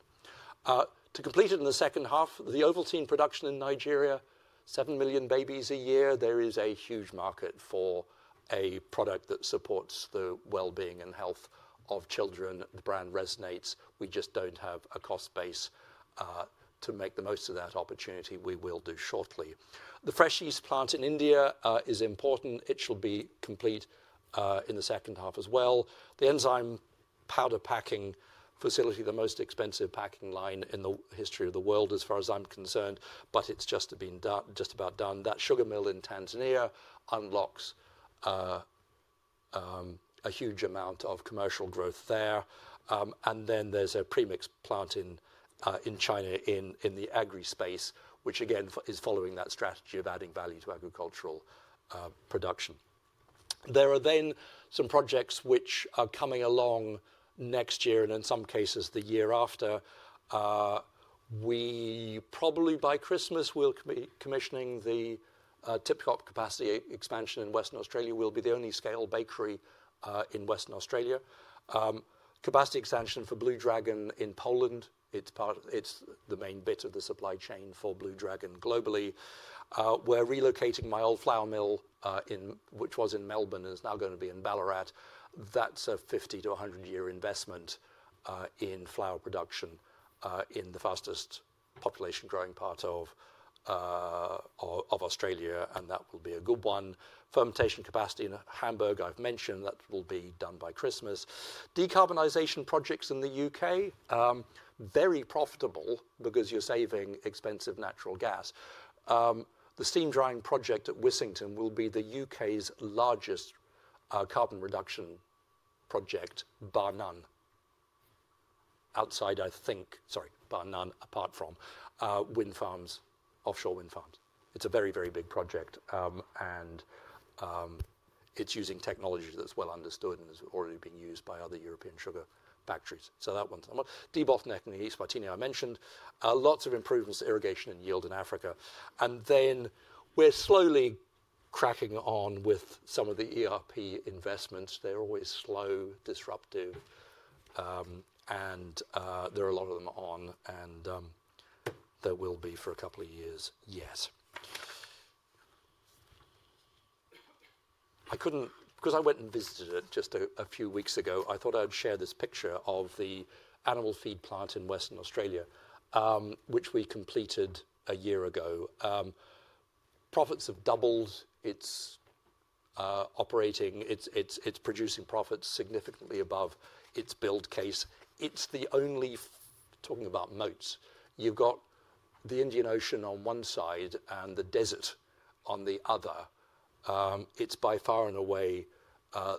To complete it in the second half, the Ovaltine production in Nigeria, 7 million babies a year. There is a huge market for a product that supports the well-being and health of children. The brand resonates. We just do not have a cost base to make the most of that opportunity. We will do shortly. The fresh yeast plant in India is important. It shall be complete in the second half as well. The enzyme powder packing facility, the most expensive packing line in the history of the world, as far as I am concerned, but it is just about done. That sugar mill in Tanzania unlocks a huge amount of commercial growth there. There is a premixed plant in China in the agri space, which again is following that strategy of adding value to agricultural production. There are then some projects which are coming along next year and in some cases the year after. We probably by Christmas will be commissioning the Tip Top capacity expansion in Western Australia. We'll be the only scale bakery in Western Australia. Capacity expansion for Blue Dragon in Poland. It's the main bit of the supply chain for Blue Dragon globally. We're relocating my old flour mill, which was in Melbourne and is now going to be in Ballarat. That's a 50- to 100-year investment in flour production in the fastest population growing part of Australia, and that will be a good one. Fermentation capacity in Hamburg, I've mentioned that will be done by Christmas. Decarbonization projects in the U.K., very profitable because you're saving expensive natural gas. The steam drying project at Wissington will be the U.K.'s largest carbon reduction project, bar none. Outside, I think, sorry, bar none apart from wind farms, offshore wind farms. It's a very, very big project, and it's using technology that's well understood and has already been used by other European sugar factories. That one's on. Deboth and Eswatini, I mentioned. Lots of improvements to irrigation and yield in Africa. We're slowly cracking on with some of the ERP investments. They're always slow, disruptive, and there are a lot of them on, and there will be for a couple of years, yes. Because I went and visited it just a few weeks ago, I thought I'd share this picture of the animal feed plant in Western Australia, which we completed a year ago. Profits have doubled. It's producing profits significantly above its build case. It's the only, talking about moats. You've got the Indian Ocean on one side and the desert on the other. It's by far and away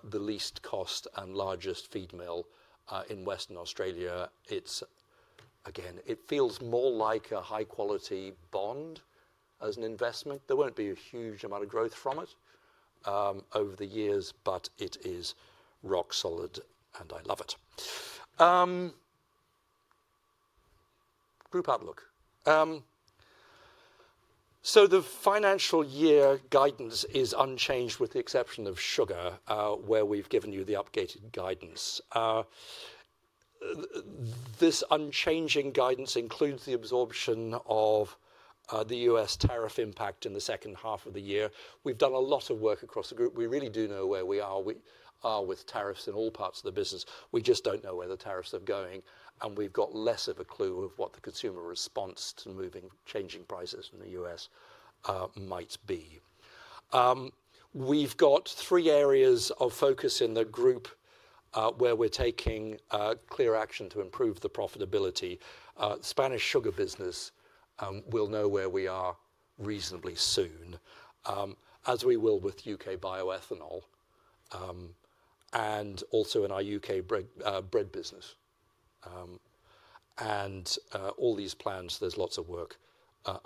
the least cost and largest feed mill in Western Australia. Again, it feels more like a high-quality bond as an investment. There won't be a huge amount of growth from it over the years, but it is rock solid, and I love it. Group outlook. The financial year guidance is unchanged with the exception of sugar, where we've given you the updated guidance. This unchanging guidance includes the absorption of the U.S. tariff impact in the second half of the year. We've done a lot of work across the group. We really do know where we are. We are with tariffs in all parts of the business. We just don't know where the tariffs are going, and we've got less of a clue of what the consumer response to changing prices in the U.S. might be. We've got three areas of focus in the group where we're taking clear action to improve the profitability. Spanish sugar business will know where we are reasonably soon, as we will with U.K. bioethanol and also in our U.K. bread business. All these plans, there's lots of work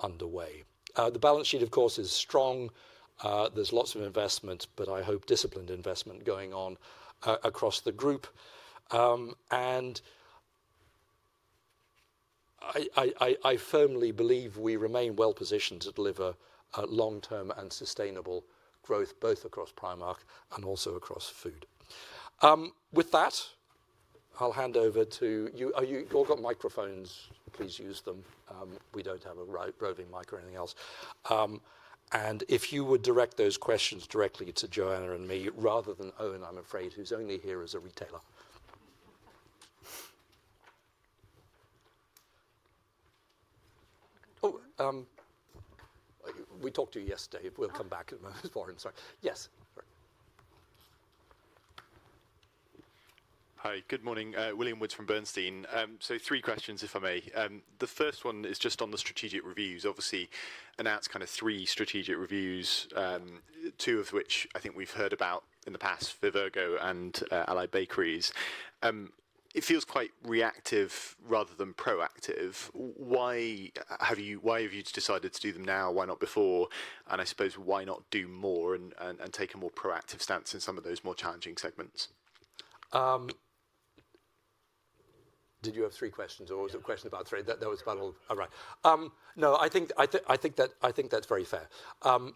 underway. The balance sheet, of course, is strong. There's lots of investment, but I hope disciplined investment going on across the group. I firmly believe we remain well positioned to deliver long-term and sustainable growth, both across Primark and also across food. With that, I'll hand over to you. You've all got microphones. Please use them. We don't have a roving mic or anything else. If you would direct those questions directly to Joanna and me rather than Eoin, I'm afraid, who's only here as a retailer. We talked to you yesterday. We'll come back in a moment. Sorry. Yes. Hi. Good morning. William Woods from Bernstein. Three questions, if I may. The first one is just on the strategic reviews. Obviously, announced kind of three strategic reviews, two of which I think we've heard about in the past, Vivergo and Allied Bakeries. It feels quite reactive rather than proactive. Why have you decided to do them now? Why not before? I suppose, why not do more and take a more proactive stance in some of those more challenging segments? Did you have three questions, or was it a question about three? That was bundled. All right. No, I think that's very fair. I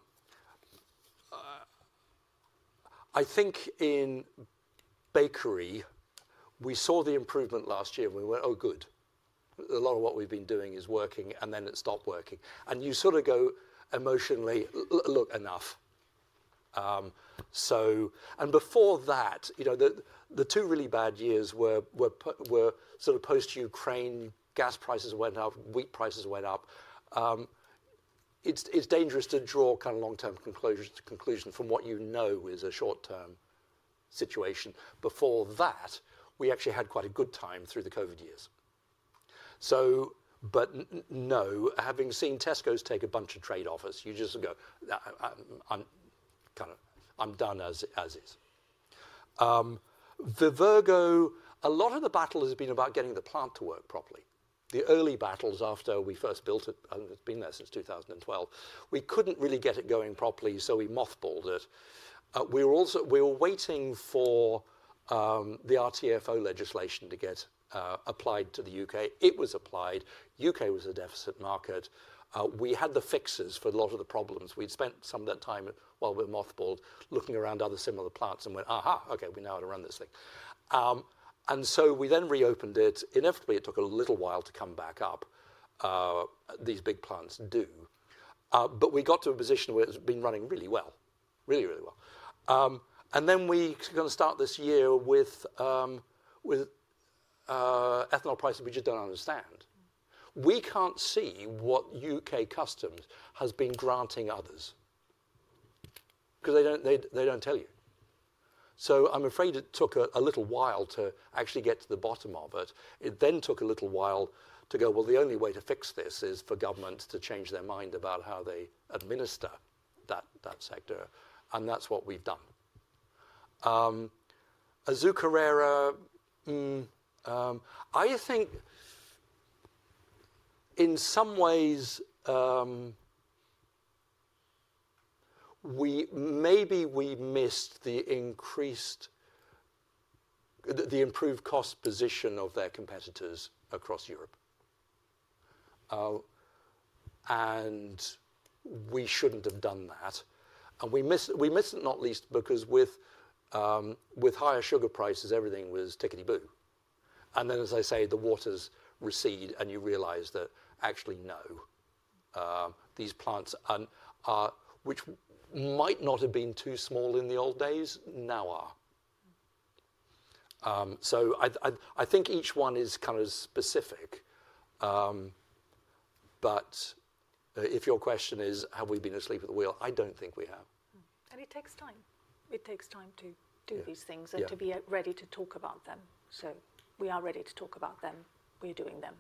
think in bakery, we saw the improvement last year, and we went, "Oh, good. A lot of what we've been doing is working," and then it stopped working. You sort of go emotionally, "Look, enough." Before that, the two really bad years were sort of post-Ukraine gas prices went up, wheat prices went up. It's dangerous to draw kind of long-term conclusions from what you know is a short-term situation. Before that, we actually had quite a good time through the COVID years. No, having seen Tesco take a bunch of trade-offs, you just go, "I'm done as is." Vivergo, a lot of the battle has been about getting the plant to work properly. The early battles after we first built it, and it's been there since 2012, we couldn't really get it going properly, so we mothballed it. We were waiting for the RTFO legislation to get applied to the U.K. It was applied. U.K. was a deficit market. We had the fixes for a lot of the problems. We'd spent some of that time while we were mothballed looking around other similar plants and went, "Aha, okay, we know how to run this thing." We then reopened it. Inevitably, it took a little while to come back up. These big plants do. We got to a position where it's been running really well, really, really well. We are going to start this year with ethanol prices we just do not understand. We cannot see what U.K. customs has been granting others because they do not tell you. I am afraid it took a little while to actually get to the bottom of it. It then took a little while to go, "Well, the only way to fix this is for governments to change their mind about how they administer that sector." That is what we have done. Azucarera, I think in some ways, maybe we missed the improved cost position of their competitors across Europe. We should not have done that. We missed it, not least because with higher sugar prices, everything was tickety-boo. As I say, the waters recede and you realize that actually, no, these plants, which might not have been too small in the old days, now are. I think each one is kind of specific. If your question is, "Have we been asleep at the wheel?" I don't think we have. It takes time. It takes time to do these things and to be ready to talk about them. We are ready to talk about them. We're doing them.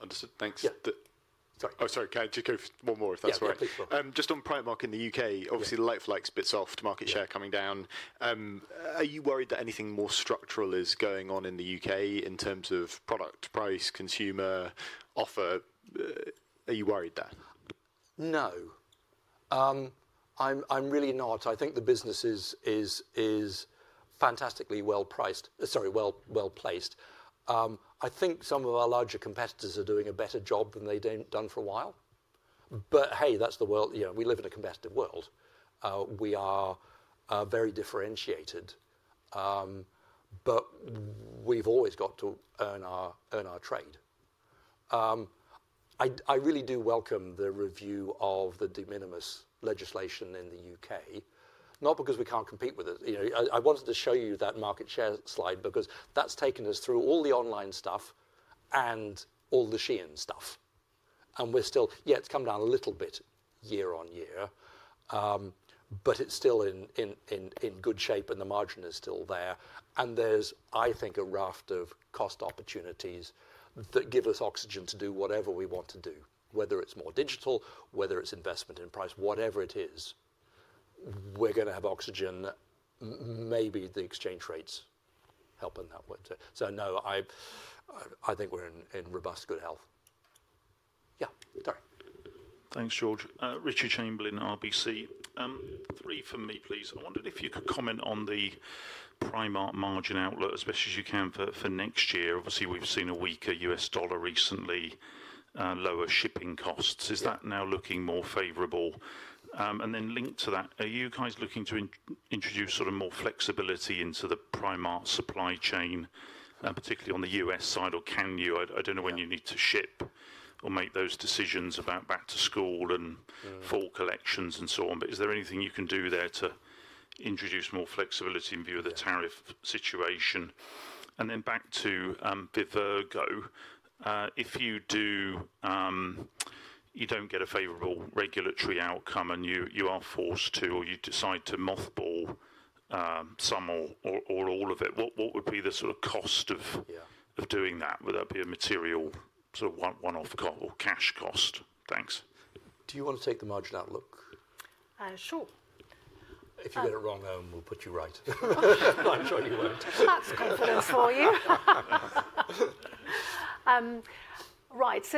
Understood. Thanks. Sorry. Oh, sorry. Can I just go one more if that's all right? Yeah, please go on. Just on Primark in the U.K., obviously, the like-for-like spits off to market share coming down. Are you worried that anything more structural is going on in the U.K. in terms of product price, consumer offer? Are you worried that? No. I'm really not. I think the business is fantastically well-priced, sorry, well-placed. I think some of our larger competitors are doing a better job than they've done for a while. Hey, that's the world. We live in a competitive world. We are very differentiated, but we've always got to earn our trade. I really do welcome the review of the de minimis legislation in the U.K., not because we can't compete with it. I wanted to show you that market share slide because that's taken us through all the online stuff and all the Shein stuff. We're still, yeah, it's come down a little bit year-on-year, but it's still in good shape and the margin is still there. There is, I think, a raft of cost opportunities that give us oxygen to do whatever we want to do, whether it's more digital, whether it's investment in price, whatever it is, we're going to have oxygen. Maybe the exchange rates help in that way. No, I think we're in robust good health. Yeah. Sorry. Thanks, George. Richard Chamberlain, RBC. Three for me, please. I wondered if you could comment on the Primark margin outlook, as best as you can for next year. Obviously, we've seen a weaker U.S. dollar recently, lower shipping costs. Is that now looking more favorable? Linked to that, are you guys looking to introduce sort of more flexibility into the Primark supply chain, particularly on the U.S. side, or can you? I don't know when you need to ship or make those decisions about back-to-school and full collections and so on. Is there anything you can do there to introduce more flexibility in view of the tariff situation? Back to Vivergo, if you do not get a favorable regulatory outcome and you are forced to, or you decide to mothball some or all of it, what would be the sort of cost of doing that? Would that be a material sort of one-off cash cost? Thanks. Do you want to take the margin outlook? Sure. If you get it wrong, we will put you right. I am sure you will not. That is confidence for you. Right.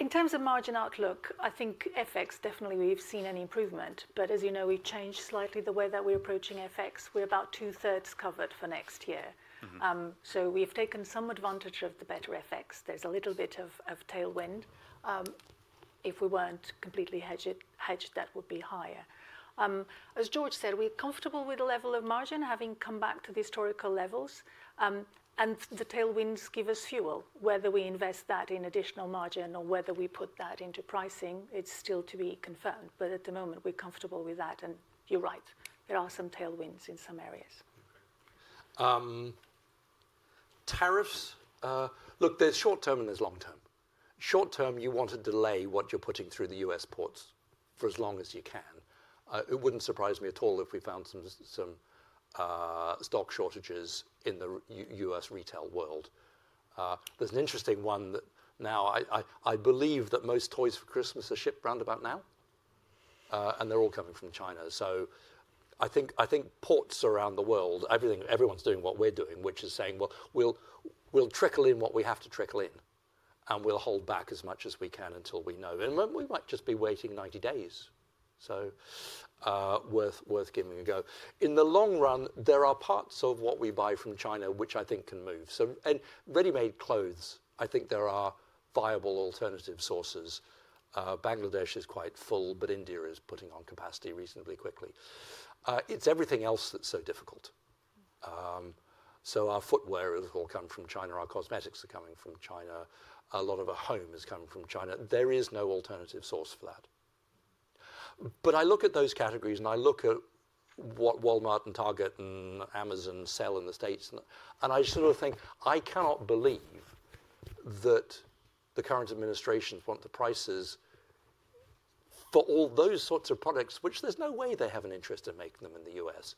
In terms of margin outlook, I think FX definitely we have seen any improvement. As you know, we have changed slightly the way that we are approaching FX. We are about two-thirds covered for next year. We have taken some advantage of the better FX. There is a little bit of tailwind. If we were not completely hedged, that would be higher. As George said, we are comfortable with the level of margin, having come back to the historical levels. The tailwinds give us fuel. Whether we invest that in additional margin or whether we put that into pricing, it is still to be confirmed. At the moment, we are comfortable with that. You are right. There are some tailwinds in some areas. Tariffs. Look, there is short term and there is long term. Short term, you want to delay what you are putting through the U.S. ports for as long as you can. It would not surprise me at all if we found some stock shortages in the U.S. retail world. There is an interesting one that now I believe that most toys for Christmas are shipped round about now, and they are all coming from China. I think ports around the world, everyone's doing what we're doing, which is saying, "We'll trickle in what we have to trickle in, and we'll hold back as much as we can until we know." We might just be waiting 90 days. Worth giving a go. In the long run, there are parts of what we buy from China, which I think can move. Ready-made clothes, I think there are viable alternative sources. Bangladesh is quite full, but India is putting on capacity reasonably quickly. It's everything else that's so difficult. Our footwear has all come from China. Our cosmetics are coming from China. A lot of our home has come from China. There is no alternative source for that. I look at those categories, and I look at what Walmart and Target and Amazon sell in the U.S. I sort of think I cannot believe that the current administrations want the prices for all those sorts of products, which there's no way they have an interest in making them in the U.S.,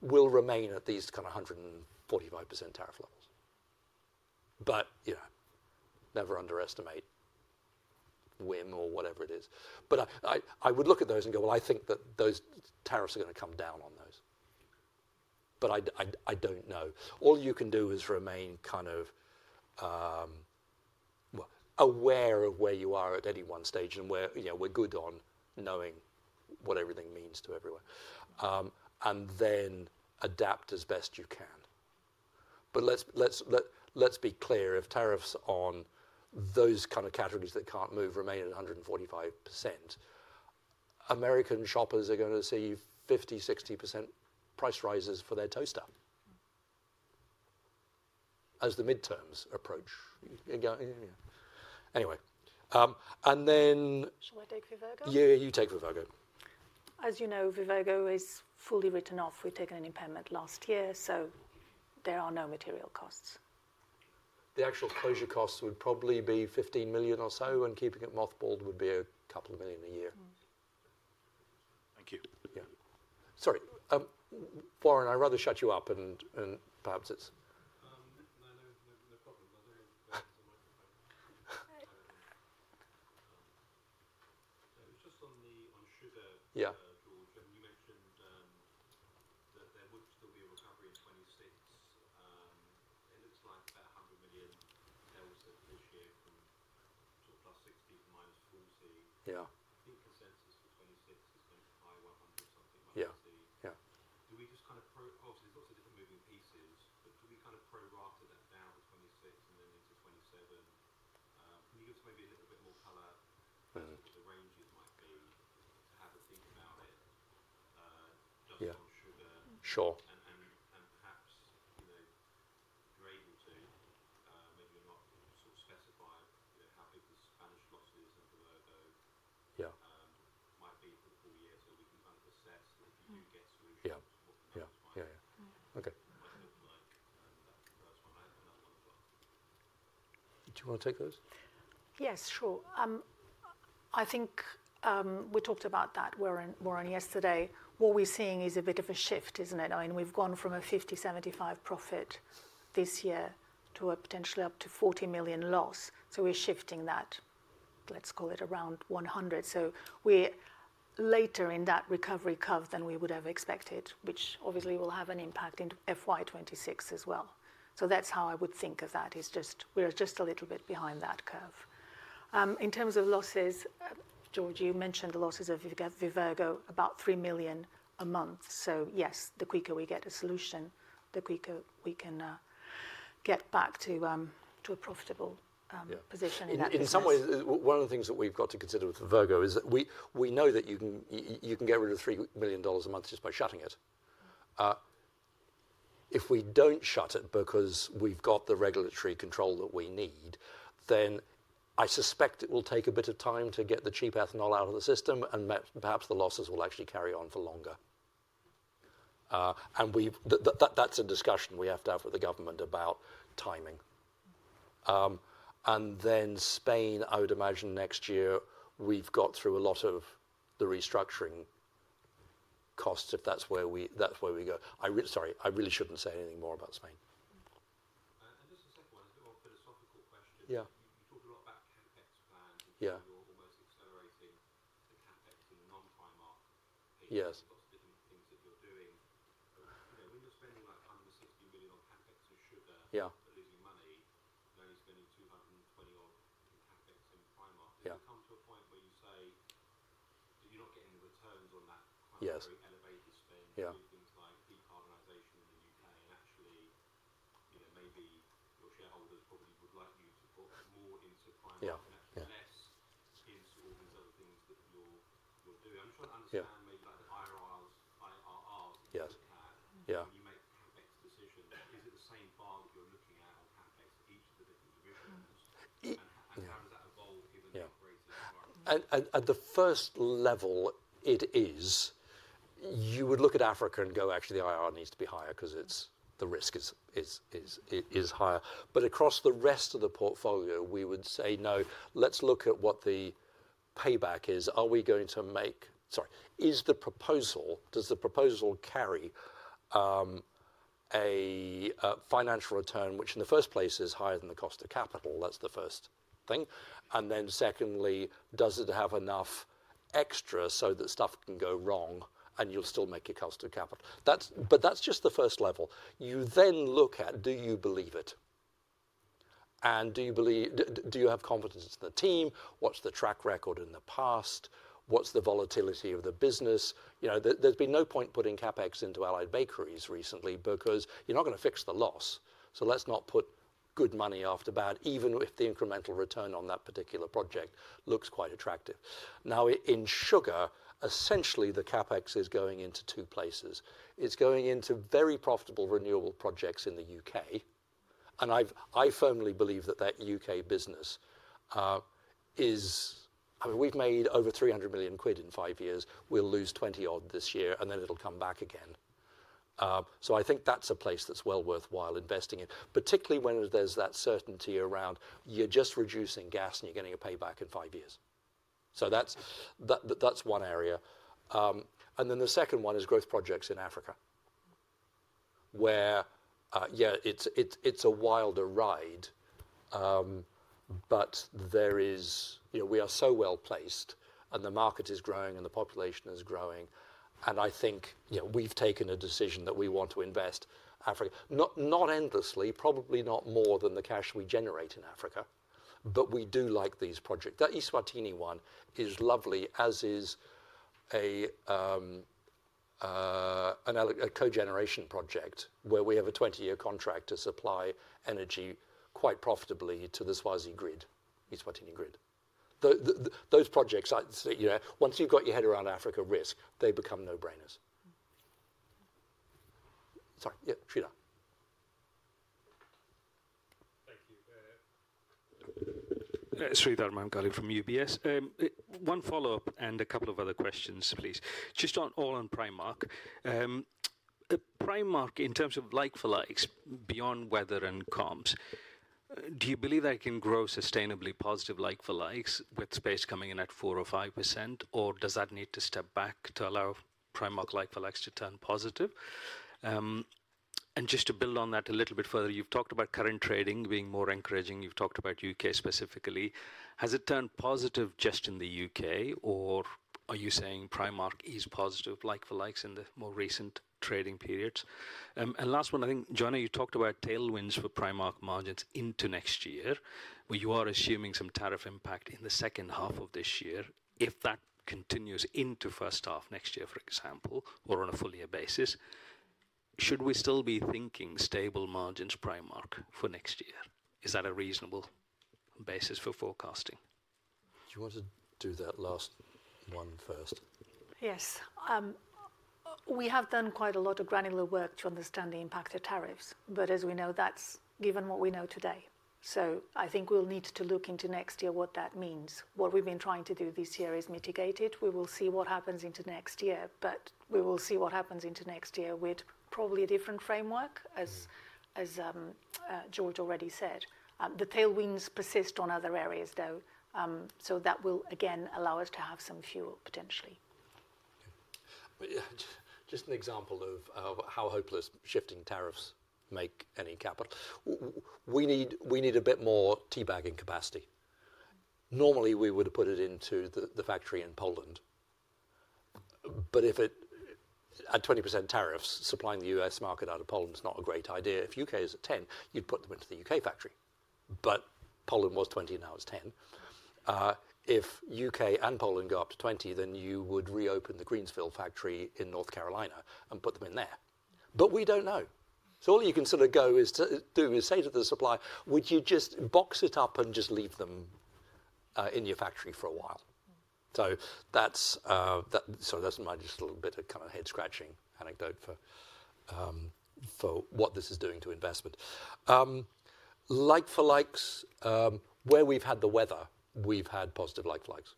will remain at these kind of 145% tariff levels. Never underestimate WIM or whatever it is. I would look at those and go, "I think that those tariffs are going to come down on those." I don't know. All you can do is remain kind of aware of where you are at any one stage and where we're good on knowing what everything means to everyone, and then adapt as best you can. Let's be clear, if tariffs on those kind of categories that can't move remain at 145%, American shoppers are going to see 50-60% price rises for their toaster as the midterms approach. Anyway. Should I take Vivergo? Yeah, you take Vivergo. As you know, Vivergo is fully written off. We've taken an impairment last year, so there are no material costs. The actual closure costs would probably be 15 million or so, and keeping it mothballed would be a couple of million a year. Thank you. Yeah. Sorry. Warren, I'd rather shut you up, and perhaps it's no problem. My very own complaint is a microphone. It was just on sugar, George, and you mentioned that there would still be a recovery in 2026. It looks like about GBP 100 million tails this year from sort of +60 to -40. I think consensus for 2026 is going to be high 100 something -C. Do we just kind of obviously, there's lots of different moving pieces, but do we kind of pro-rata that down to 2026 and then into 2027? Can you give us maybe a little bit more color as to what the ranges might be to have a think about it just on sugar? Sure. And perhaps if you're able to, maybe you're not, sort of specify how big the Spanish loss is and Vivergo might be for the full year. So we can kind of assess, and if you do get solutions, what the numbers might be. Yeah. Okay. That's another one. Do you want to take those? Yes, sure. I think we talked about that, Warren, yesterday. What we're seeing is a bit of a shift, isn't it? I mean, we've gone from a £50 million-£75 million profit this year to potentially up to a £40 million loss. So we're shifting that, let's call it around £100 million. We're later in that recovery curve than we would have expected, which obviously will have an impact in FY 2026 as well. That's how I would think of that. We're just a little bit behind that curve. In terms of losses, George, you mentioned the losses of Vivergo, about $3 million a month. Yes, the quicker we get a solution, the quicker we can get back to a profitable position. In some ways, one of the things that we've got to consider with Vivergo is that we know that you can get rid of $3 million a month just by shutting it. If we don't shut it because we've got the regulatory control that we need, then I suspect it will take a bit of time to get the cheap ethanol out of the system, and perhaps the losses will actually carry on for longer. That's a discussion we have to have with the government about timing. In Spain, I would imagine next year, we've got through a lot of the restructuring costs if that's where we go. Sorry, I really shouldn't say anything more about Spain. Just a second one, a bit more philosophical question. You Then secondly, does it have enough extra so that stuff can go wrong and you'll still make your cost of capital? That's just the first level. You then look at, "Do you believe it? And do you have confidence in the team? What's the track record in the past? What's the volatility of the business?" There's been no point putting CapEx into Allied Bakeries recently because you're not going to fix the loss. Let's not put good money after bad, even if the incremental return on that particular project looks quite attractive. Now, in sugar, essentially the CapEx is going into two places. It's going into very profitable renewable projects in the U.K. I firmly believe that that U.K. business is—I mean, we've made over 300 million quid in five years. We'll lose 20-odd this year, and then it'll come back again. I think that's a place that's well worthwhile investing in, particularly when there's that certainty around you're just reducing gas and you're getting a payback in five years. That's one area. The second one is growth projects in Africa, where, yeah, it's a wilder ride, but we are so well placed and the market is growing and the population is growing. I think we've taken a decision that we want to invest in Africa. Not endlessly, probably not more than the cash we generate in Africa, but we do like these projects. That Eswatini one is lovely, as is a co-generation project where we have a 20-year contract to supply energy quite profitably to the Eswatini grid. Those projects, once you've got your head around Africa risk, they become no-brainers. Sorry. Yeah, Sreedhar. Thank you. Sreedhar Mahamkali from UBS. One follow-up and a couple of other questions, please. Just all on Primark. Primark, in terms of like-for-likes beyond weather and comms, do you believe that it can grow sustainably positive like-for-likes with space coming in at 4% or 5%, or does that need to step back to allow Primark like-for-likes to turn positive? Just to build on that a little bit further, you've talked about current trading being more encouraging. You've talked about U.K. specifically. Has it turned positive just in the U.K., or are you saying Primark is positive like-for-likes in the more recent trading periods? Last one, I think, Joanna, you talked about tailwinds for Primark margins into next year, where you are assuming some tariff impact in the second half of this year. If that continues into first half next year, for example, or on a full-year basis, should we still be thinking stable margins Primark for next year? Is that a reasonable basis for forecasting? Do you want to do that last one first? Yes. We have done quite a lot of granular work to understand the impact of tariffs, but as we know, that's given what we know today. I think we'll need to look into next year what that means. What we've been trying to do this year is mitigate it. We will see what happens into next year, but we will see what happens into next year with probably a different framework, as George already said. The tailwinds persist on other areas, though, so that will, again, allow us to have some fuel potentially. Just an example of how hopeless shifting tariffs make any capital. We need a bit more teabagging capacity. Normally, we would have put it into the factory in Poland. If it had 20% tariffs, supplying the U.S. market out of Poland is not a great idea. If U.K. is at 10, you'd put them into the U.K. factory. But Poland was 20, and now it's 10. If U.K. and Poland go up to 20, then you would reopen the Greensfield factory in North Carolina and put them in there. We don't know. All you can sort of go to is say to the supplier, "Would you just box it up and just leave them in your factory for a while?" That's just a little bit of kind of head-scratching anecdote for what this is doing to investment. Like-for-likes, where we've had the weather, we've had positive like-for-likes.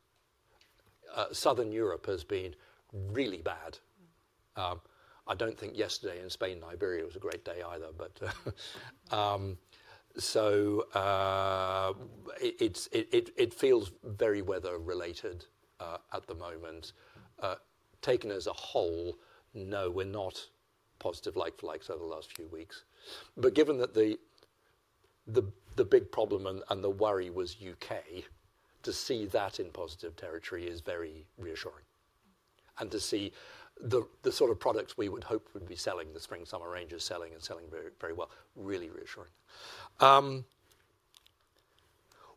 Southern Europe has been really bad. I don't think yesterday in Spain and Liberia was a great day either, so it feels very weather-related at the moment. Taken as a whole, no, we're not positive like-for-likes over the last few weeks. Given that the big problem and the worry was U.K., to see that in positive territory is very reassuring. To see the sort of products we would hope would be selling, the spring-summer ranges selling and selling very well, really reassuring.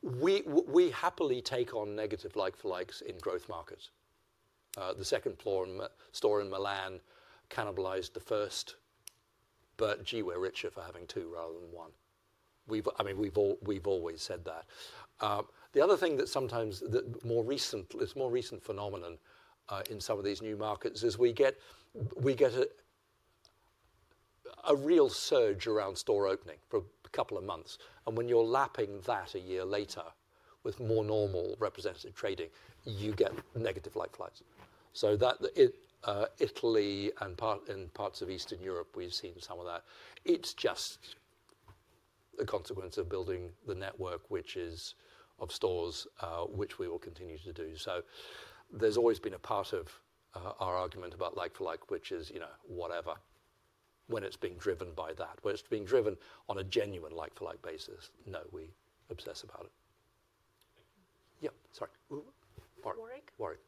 We happily take on negative like-for-likes in growth markets. The second store in Milan cannibalized the first, but gee, we're richer for having two rather than one. I mean, we've always said that. The other thing that sometimes is a more recent phenomenon in some of these new markets is we get a real surge around store opening for a couple of months. When you're lapping that a year later with more normal representative trading, you get negative like-for-likes. Italy and parts of Eastern Europe, we've seen some of that. It's just a consequence of building the network, which is of stores, which we will continue to do. There's always been a part of our argument about like-for-like, which is whatever, when it's being driven by that. When it's being driven on a genuine like-for-like basis, no, we obsess about it. Yep. Sorry. Warwick. Warwick.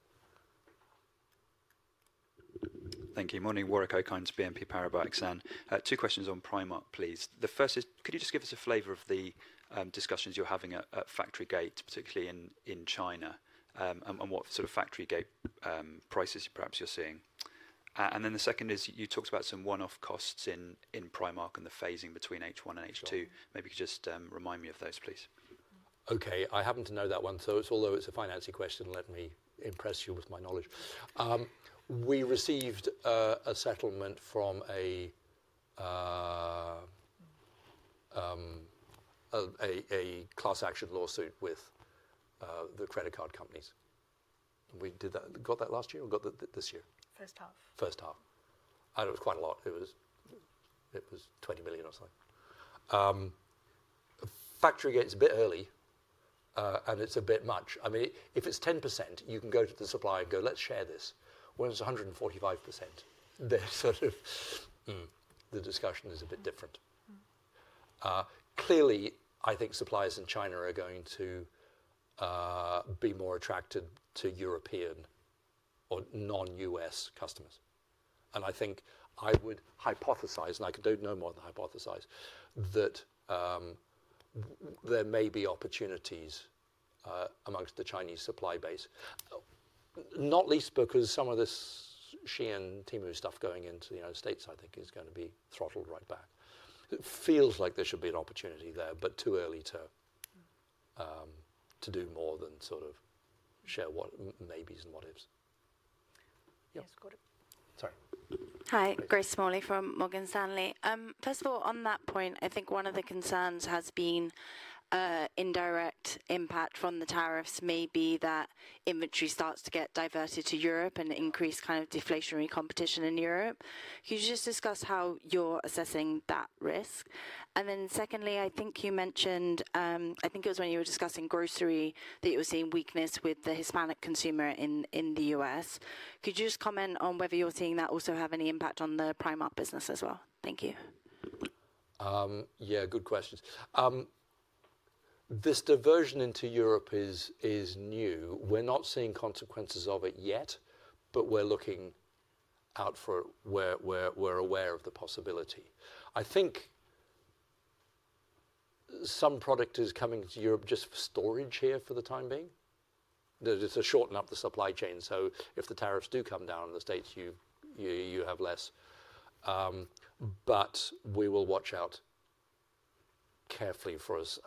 Thank you. Morning. Warwick Okines, BNP Paribas, Exane. Two questions on Primark, please. The first is, could you just give us a flavor of the discussions you're having at FactoryGate, particularly in China, and what sort of FactoryGate prices perhaps you're seeing? And then the second is, you talked about some one-off costs in Primark and the phasing between H1 and H2. Maybe you could just remind me of those, please. Okay. I happen to know that one. Although it's a financial question, let me impress you with my knowledge. We received a settlement from a class action lawsuit with the credit card companies. We got that last year or got that this year? First half. First half. And it was quite a lot. It was $20 million or so. FactoryGate's a bit early, and it's a bit much. I mean, if it's 10%, you can go to the supplier and go, "Let's share this." When it's 145%, then sort of the discussion is a bit different. Clearly, I think suppliers in China are going to be more attracted to European or non-U.S. customers. I think I would hypothesize, and I do not know more than hypothesize, that there may be opportunities amongst the Chinese supply base. Not least because some of this Shein and Temu stuff going into the United States, I think, is going to be throttled right back. It feels like there should be an opportunity there, but too early to do more than sort of share what maybes and what ifs. Yes. Sorry. Hi. Grace Smalley from Morgan Stanley. First of all, on that point, I think one of the concerns has been indirect impact from the tariffs may be that inventory starts to get diverted to Europe and increase kind of deflationary competition in Europe. Could you just discuss how you're assessing that risk? And then secondly, I think you mentioned, I think it was when you were discussing grocery, that you were seeing weakness with the Hispanic consumer in the U.S. Could you just comment on whether you're seeing that also have any impact on the Primark business as well? Thank you. Yeah. Good questions. This diversion into Europe is new. We're not seeing consequences of it yet, but we're looking out for it. We're aware of the possibility. I think some product is coming to Europe just for storage here for the time being. It's to shorten up the supply chain. If the tariffs do come down in the States, you have less. We will watch out carefully for us.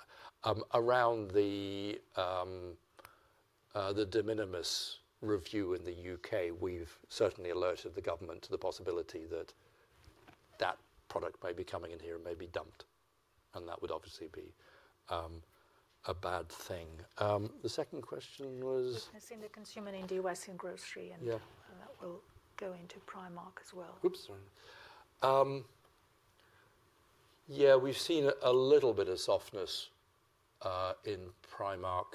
Around the de minimis review in the U.K., we've certainly alerted the government to the possibility that that product may be coming in here and may be dumped. That would obviously be a bad thing. The second question was. I've seen the consumer in the U.S. in grocery, and that will go into Primark as well. Yeah, we've seen a little bit of softness in Primark.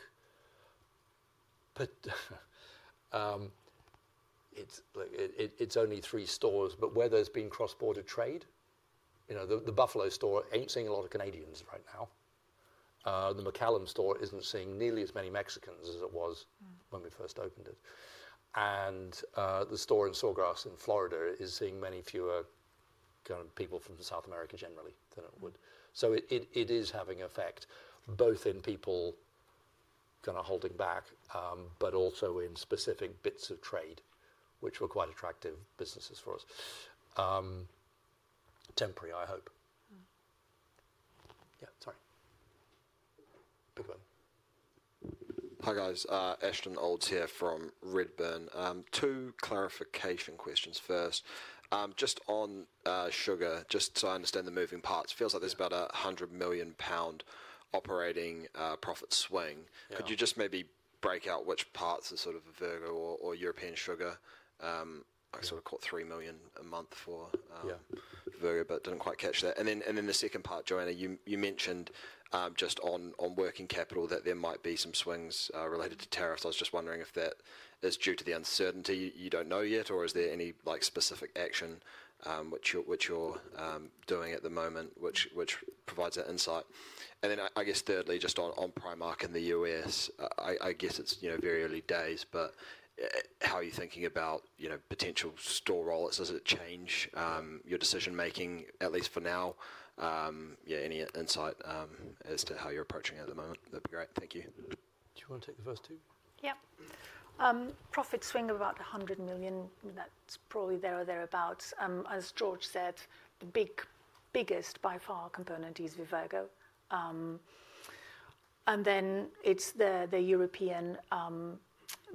It's only three stores, but where there's been cross-border trade, the Buffalo store ain't seeing a lot of Canadians right now. The McAllen store isn't seeing nearly as many Mexicans as it was when we first opened it. The store in Sawgrass in Florida is seeing many fewer kind of people from South America generally than it would. It is having effect both in people kind of holding back, but also in specific bits of trade, which were quite attractive businesses for us. Temporary, I hope. Yeah. Sorry. Big one. Hi guys. Ashton Olds here from Redburn. Two clarification questions first. Just on sugar, just so I understand the moving parts. It feels like there's about a 100 million pound operating profit swing. Could you just maybe break out which parts are sort of Vivergo or European sugar? I sort of caught 3 million a month for Vivergo, but didn't quite catch that. Then the second part, Joanna, you mentioned just on working capital that there might be some swings related to tariffs. I was just wondering if that is due to the uncertainty you do not know yet, or is there any specific action which you are doing at the moment which provides that insight? I guess thirdly, just on Primark in the U.S., I guess it is very early days, but how are you thinking about potential store rollouts? Does it change your decision-making, at least for now? Yeah. Any insight as to how you are approaching it at the moment? That would be great. Thank you. Do you want to take the first two? Yep. Profit swing of about 100 million. That is probably there or thereabouts. As George said, the biggest by far component is Vivergo. Then it is the European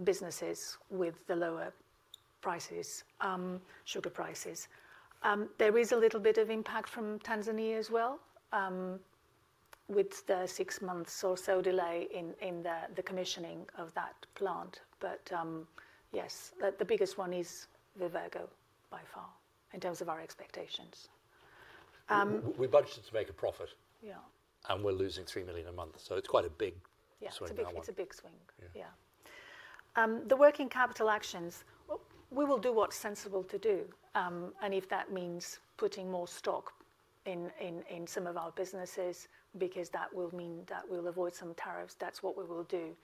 businesses with the lower prices, sugar prices. There is a little bit of impact from Tanzania as well with the six months or so delay in the commissioning of that plant. Yes, the biggest one is Vivergo by far in terms of our expectations. We budgeted to make a profit, and we're losing 3 million a month. It is quite a big swing by far. Yeah. It's a big swing. The working capital actions, we will do what's sensible to do. If that means putting more stock in some of our businesses because that will mean that we'll avoid some tariffs, that's what we will do.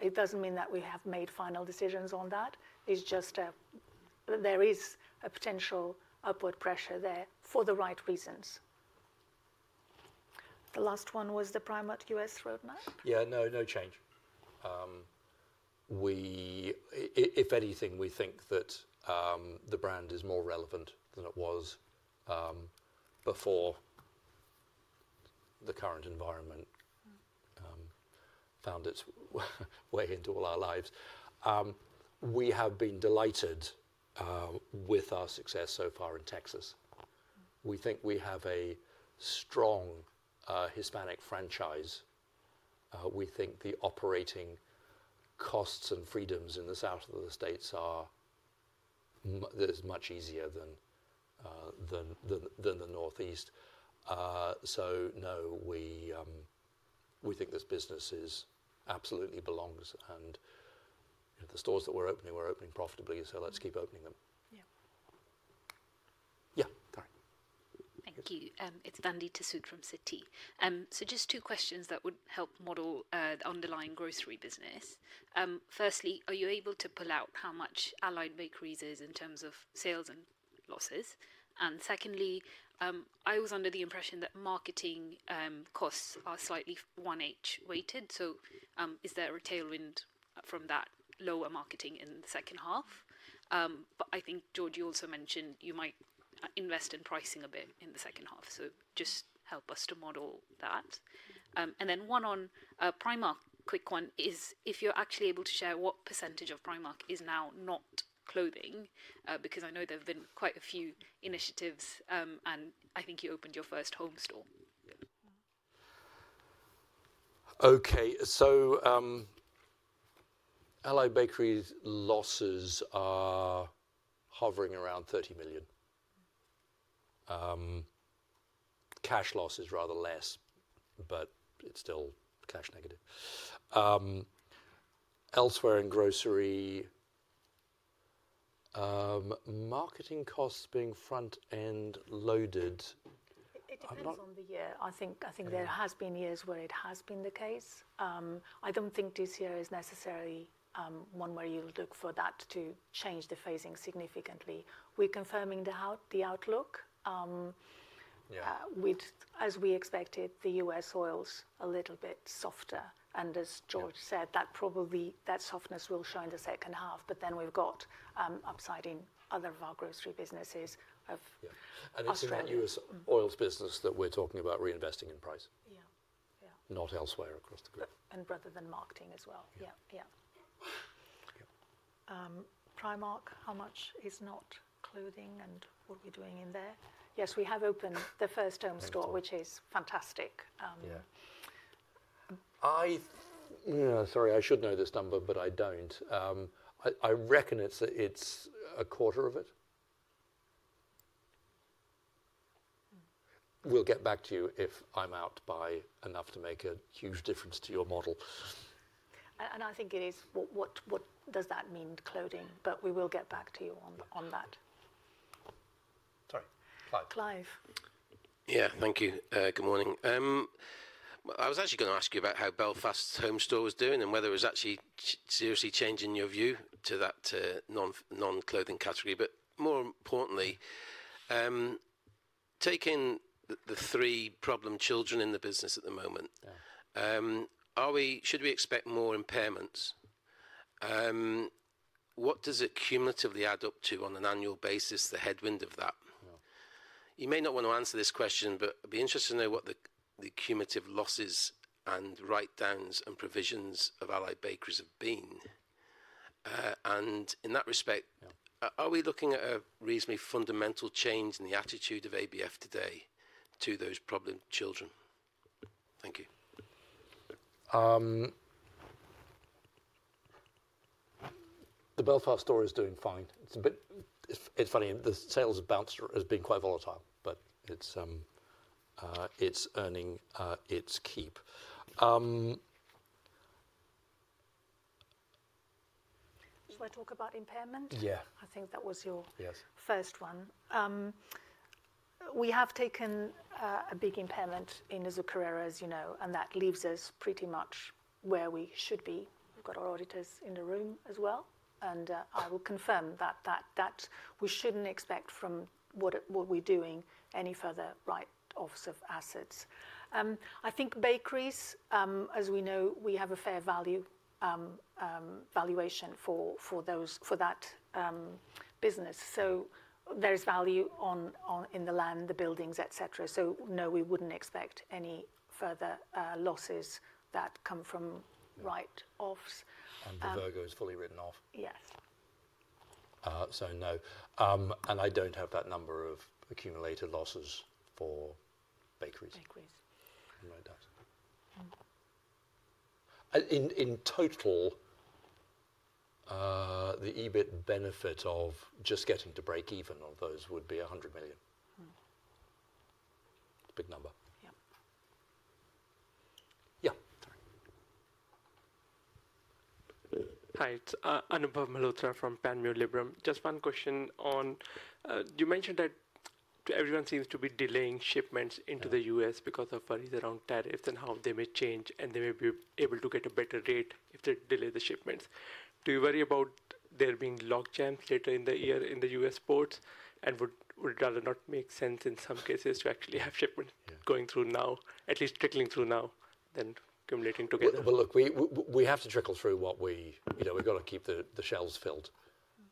It does not mean that we have made final decisions on that. It is just that there is a potential upward pressure there for the right reasons. The last one was the Primark U.S. roadmap. No change. If anything, we think that the brand is more relevant than it was before the current environment found its way into all our lives. We have been delighted with our success so far in Texas. We think we have a strong Hispanic franchise. We think the operating costs and freedoms in the south of the States are much easier than the northeast. No, we think this business absolutely belongs. The stores that we're opening, we're opening profitably. Let's keep opening them. Yeah. Yeah. Sorry. Thank you. It's Monique from Citi. Just two questions that would help model the underlying grocery business. Firstly, are you able to pull out how much Allied Bakeries is in terms of sales and losses? Secondly, I was under the impression that marketing costs are slightly 1H weighted. Is there a tailwind from that lower marketing in the second half? I think, George, you also mentioned you might invest in pricing a bit in the second half. Just help us to model that. One on Primark, quick one is if you're actually able to share what percentage of Primark is now not clothing because I know there have been quite a few initiatives, and I think you opened your first home store. Okay. Allied Bakeries' losses are hovering around 30 million. Cash loss is rather less, but it's still cash negative. Elsewhere in grocery, marketing costs being front-end loaded. It depends on the year. I think there have been years where it has been the case. I do not think this year is necessarily one where you'll look for that to change the phasing significantly. We're confirming the outlook. As we expected, the U.S. oils a little bit softer. As George said, that softness will show in the second half. We have got upside in other of our grocery businesses. Yeah. It is that U.S. oils business that we are talking about reinvesting in price. Yeah. Yeah. Not elsewhere across the globe. Rather than marketing as well. Yeah. Yeah. Primark, how much is not clothing and what are we doing in there? Yes. We have opened the first home store, which is fantastic. Sorry. I should know this number, but I do not. I reckon it is a quarter of it. We will get back to you if I am out by enough to make a huge difference to your model. I think it is what does that mean, clothing? We will get back to you on that. Sorry. Clive. Clive. Thank you. Good morning. I was actually going to ask you about how Belfast's home store was doing and whether it was actually seriously changing your view to that non-clothing category. More importantly, taking the three problem children in the business at the moment, should we expect more impairments? What does it cumulatively add up to on an annual basis, the headwind of that? You may not want to answer this question, but it'd be interesting to know what the cumulative losses and write-downs and provisions of Allied Bakeries have been. In that respect, are we looking at a reasonably fundamental change in the attitude of ABF today to those problem children? Thank you. The Belfast store is doing fine. It's funny. The sales have been quite volatile, but it's earning its keep. Shall I talk about impairment? Yeah. I think that was your first one. We have taken a big impairment in Azucarera, as you know, and that leaves us pretty much where we should be. We've got our auditors in the room as well. I will confirm that we shouldn't expect from what we're doing any further write-offs of assets. I think bakeries, as we know, we have a fair value valuation for that business. There is value in the land, the buildings, etc. No, we wouldn't expect any further losses that come from write-offs. Vivergo is fully written off. Yes. No. I don't have that number of accumulated losses for bakeries. Bakeries. You might have doubts. In total, the EBIT benefit of just getting to break even on those would be 100 million. It's a big number. Yeah. Yeah. Sorry. Hi. It's Anubhav Malhotra from Panmure Liberum. Just one question on you mentioned that everyone seems to be delaying shipments into the U.S. because of worries around tariffs and how they may change, and they may be able to get a better rate if they delay the shipments. Do you worry about there being log jams later in the year in the U.S. ports? Would it rather not make sense in some cases to actually have shipments going through now, at least trickling through now, than accumulating together? Look, we have to trickle through what we have got to keep the shelves filled,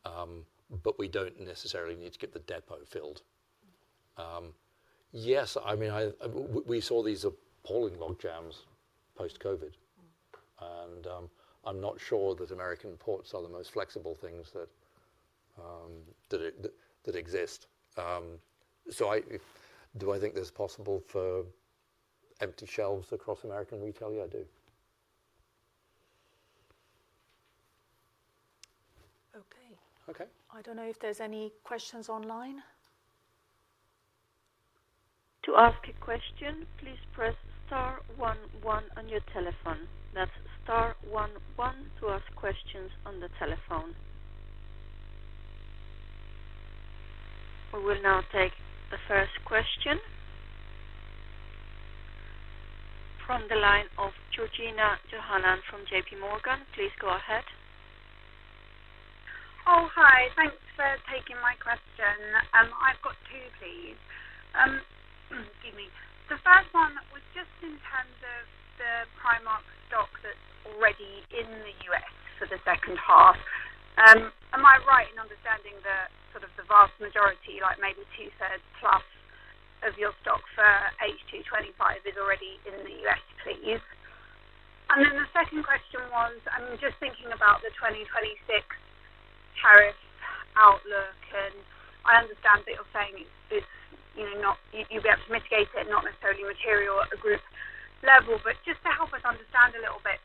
but we do not necessarily need to get the depot filled. Yes. I mean, we saw these appalling log jams post-COVID. I am not sure that American ports are the most flexible things that exist. Do I think that it is possible for empty shelves across American retail? Yeah, I do. Okay. Okay. I don't know if there's any questions online. To ask a question, please press star one one on your telephone. That's star 11 to ask questions on the telephone. We will now take the first question from the line of Georgina Johanan from JPMorgan. Please go ahead. Oh, hi. Thanks for taking my question. I've got two, please. Excuse me. The first one was just in terms of the Primark stock that's already in the U.S. for the second half. Am I right in understanding that sort of the vast majority, like maybe two-thirds plus of your stock for H225 is already in the U.S., please? The second question was, I'm just thinking about the 2026 tariff outlook. I understand that you're saying you'll be able to mitigate it, not necessarily material at a group level. Just to help us understand a little bit,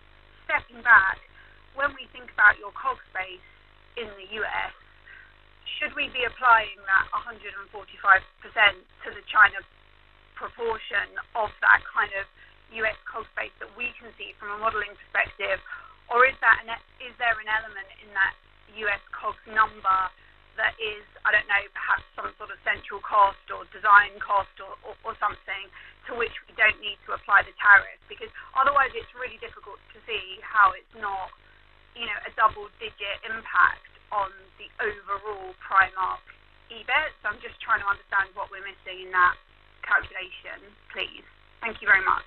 stepping back, when we think about your COG space in the U.S., should we be applying that 145% to the China proportion of that kind of U.S. COG space that we can see from a modeling perspective? Or is there an element in that U.S. COG number that is, I don't know, perhaps some sort of central cost or design cost or something to which we don't need to apply the tariff? Because otherwise, it's really difficult to see how it's not a double-digit impact on the overall Primark EBIT. I'm just trying to understand what we're missing in that calculation, please. Thank you very much.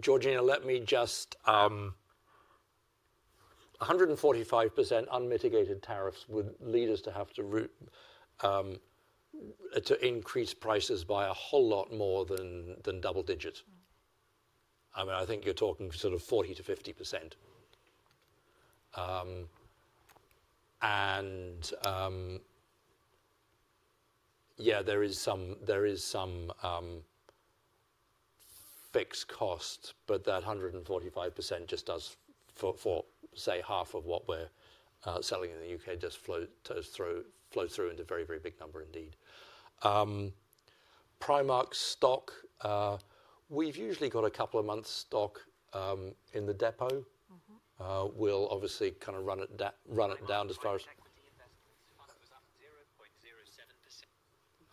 Georgina, let me just say 145% unmitigated tariffs would lead us to have to increase prices by a whole lot more than double digits. I mean, I think you're talking sort of 40-50%. Yeah, there is some fixed cost, but that 145% just does for, say, half of what we're selling in the U.K. just flows through into a very, very big number indeed. Primark stock, we've usually got a couple of months' stock in the depot. We'll obviously kind of run it down as far as. Equity investments. It was up 0.07%.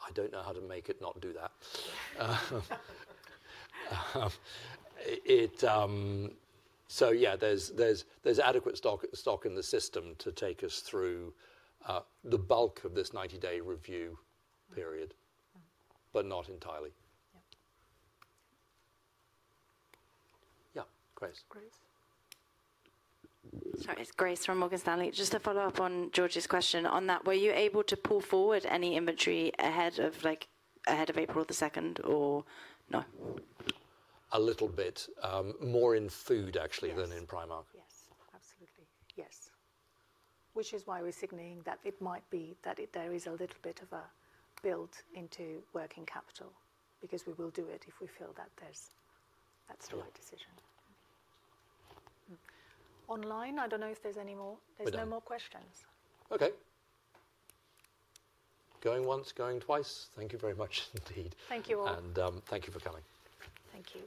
I don't know how to make it not do that. Yeah, there's adequate stock in the system to take us through the bulk of this 90-day review period, but not entirely. Yeah. Grace. Grace. Sorry. It's Grace from Morgan Stanley. Just to follow up on George's question on that, were you able to pull forward any inventory ahead of April the 2nd or no? A little bit. More in food, actually, than in Primark. Yes. Absolutely. Yes. Which is why we're signalling that it might be that there is a little bit of a build into working capital because we will do it if we feel that that's the right decision. Online, I don't know if there's any more. There's no more questions. Okay. Going once, going twice. Thank you very much indeed. Thank you all. And thank you for coming. Thank you.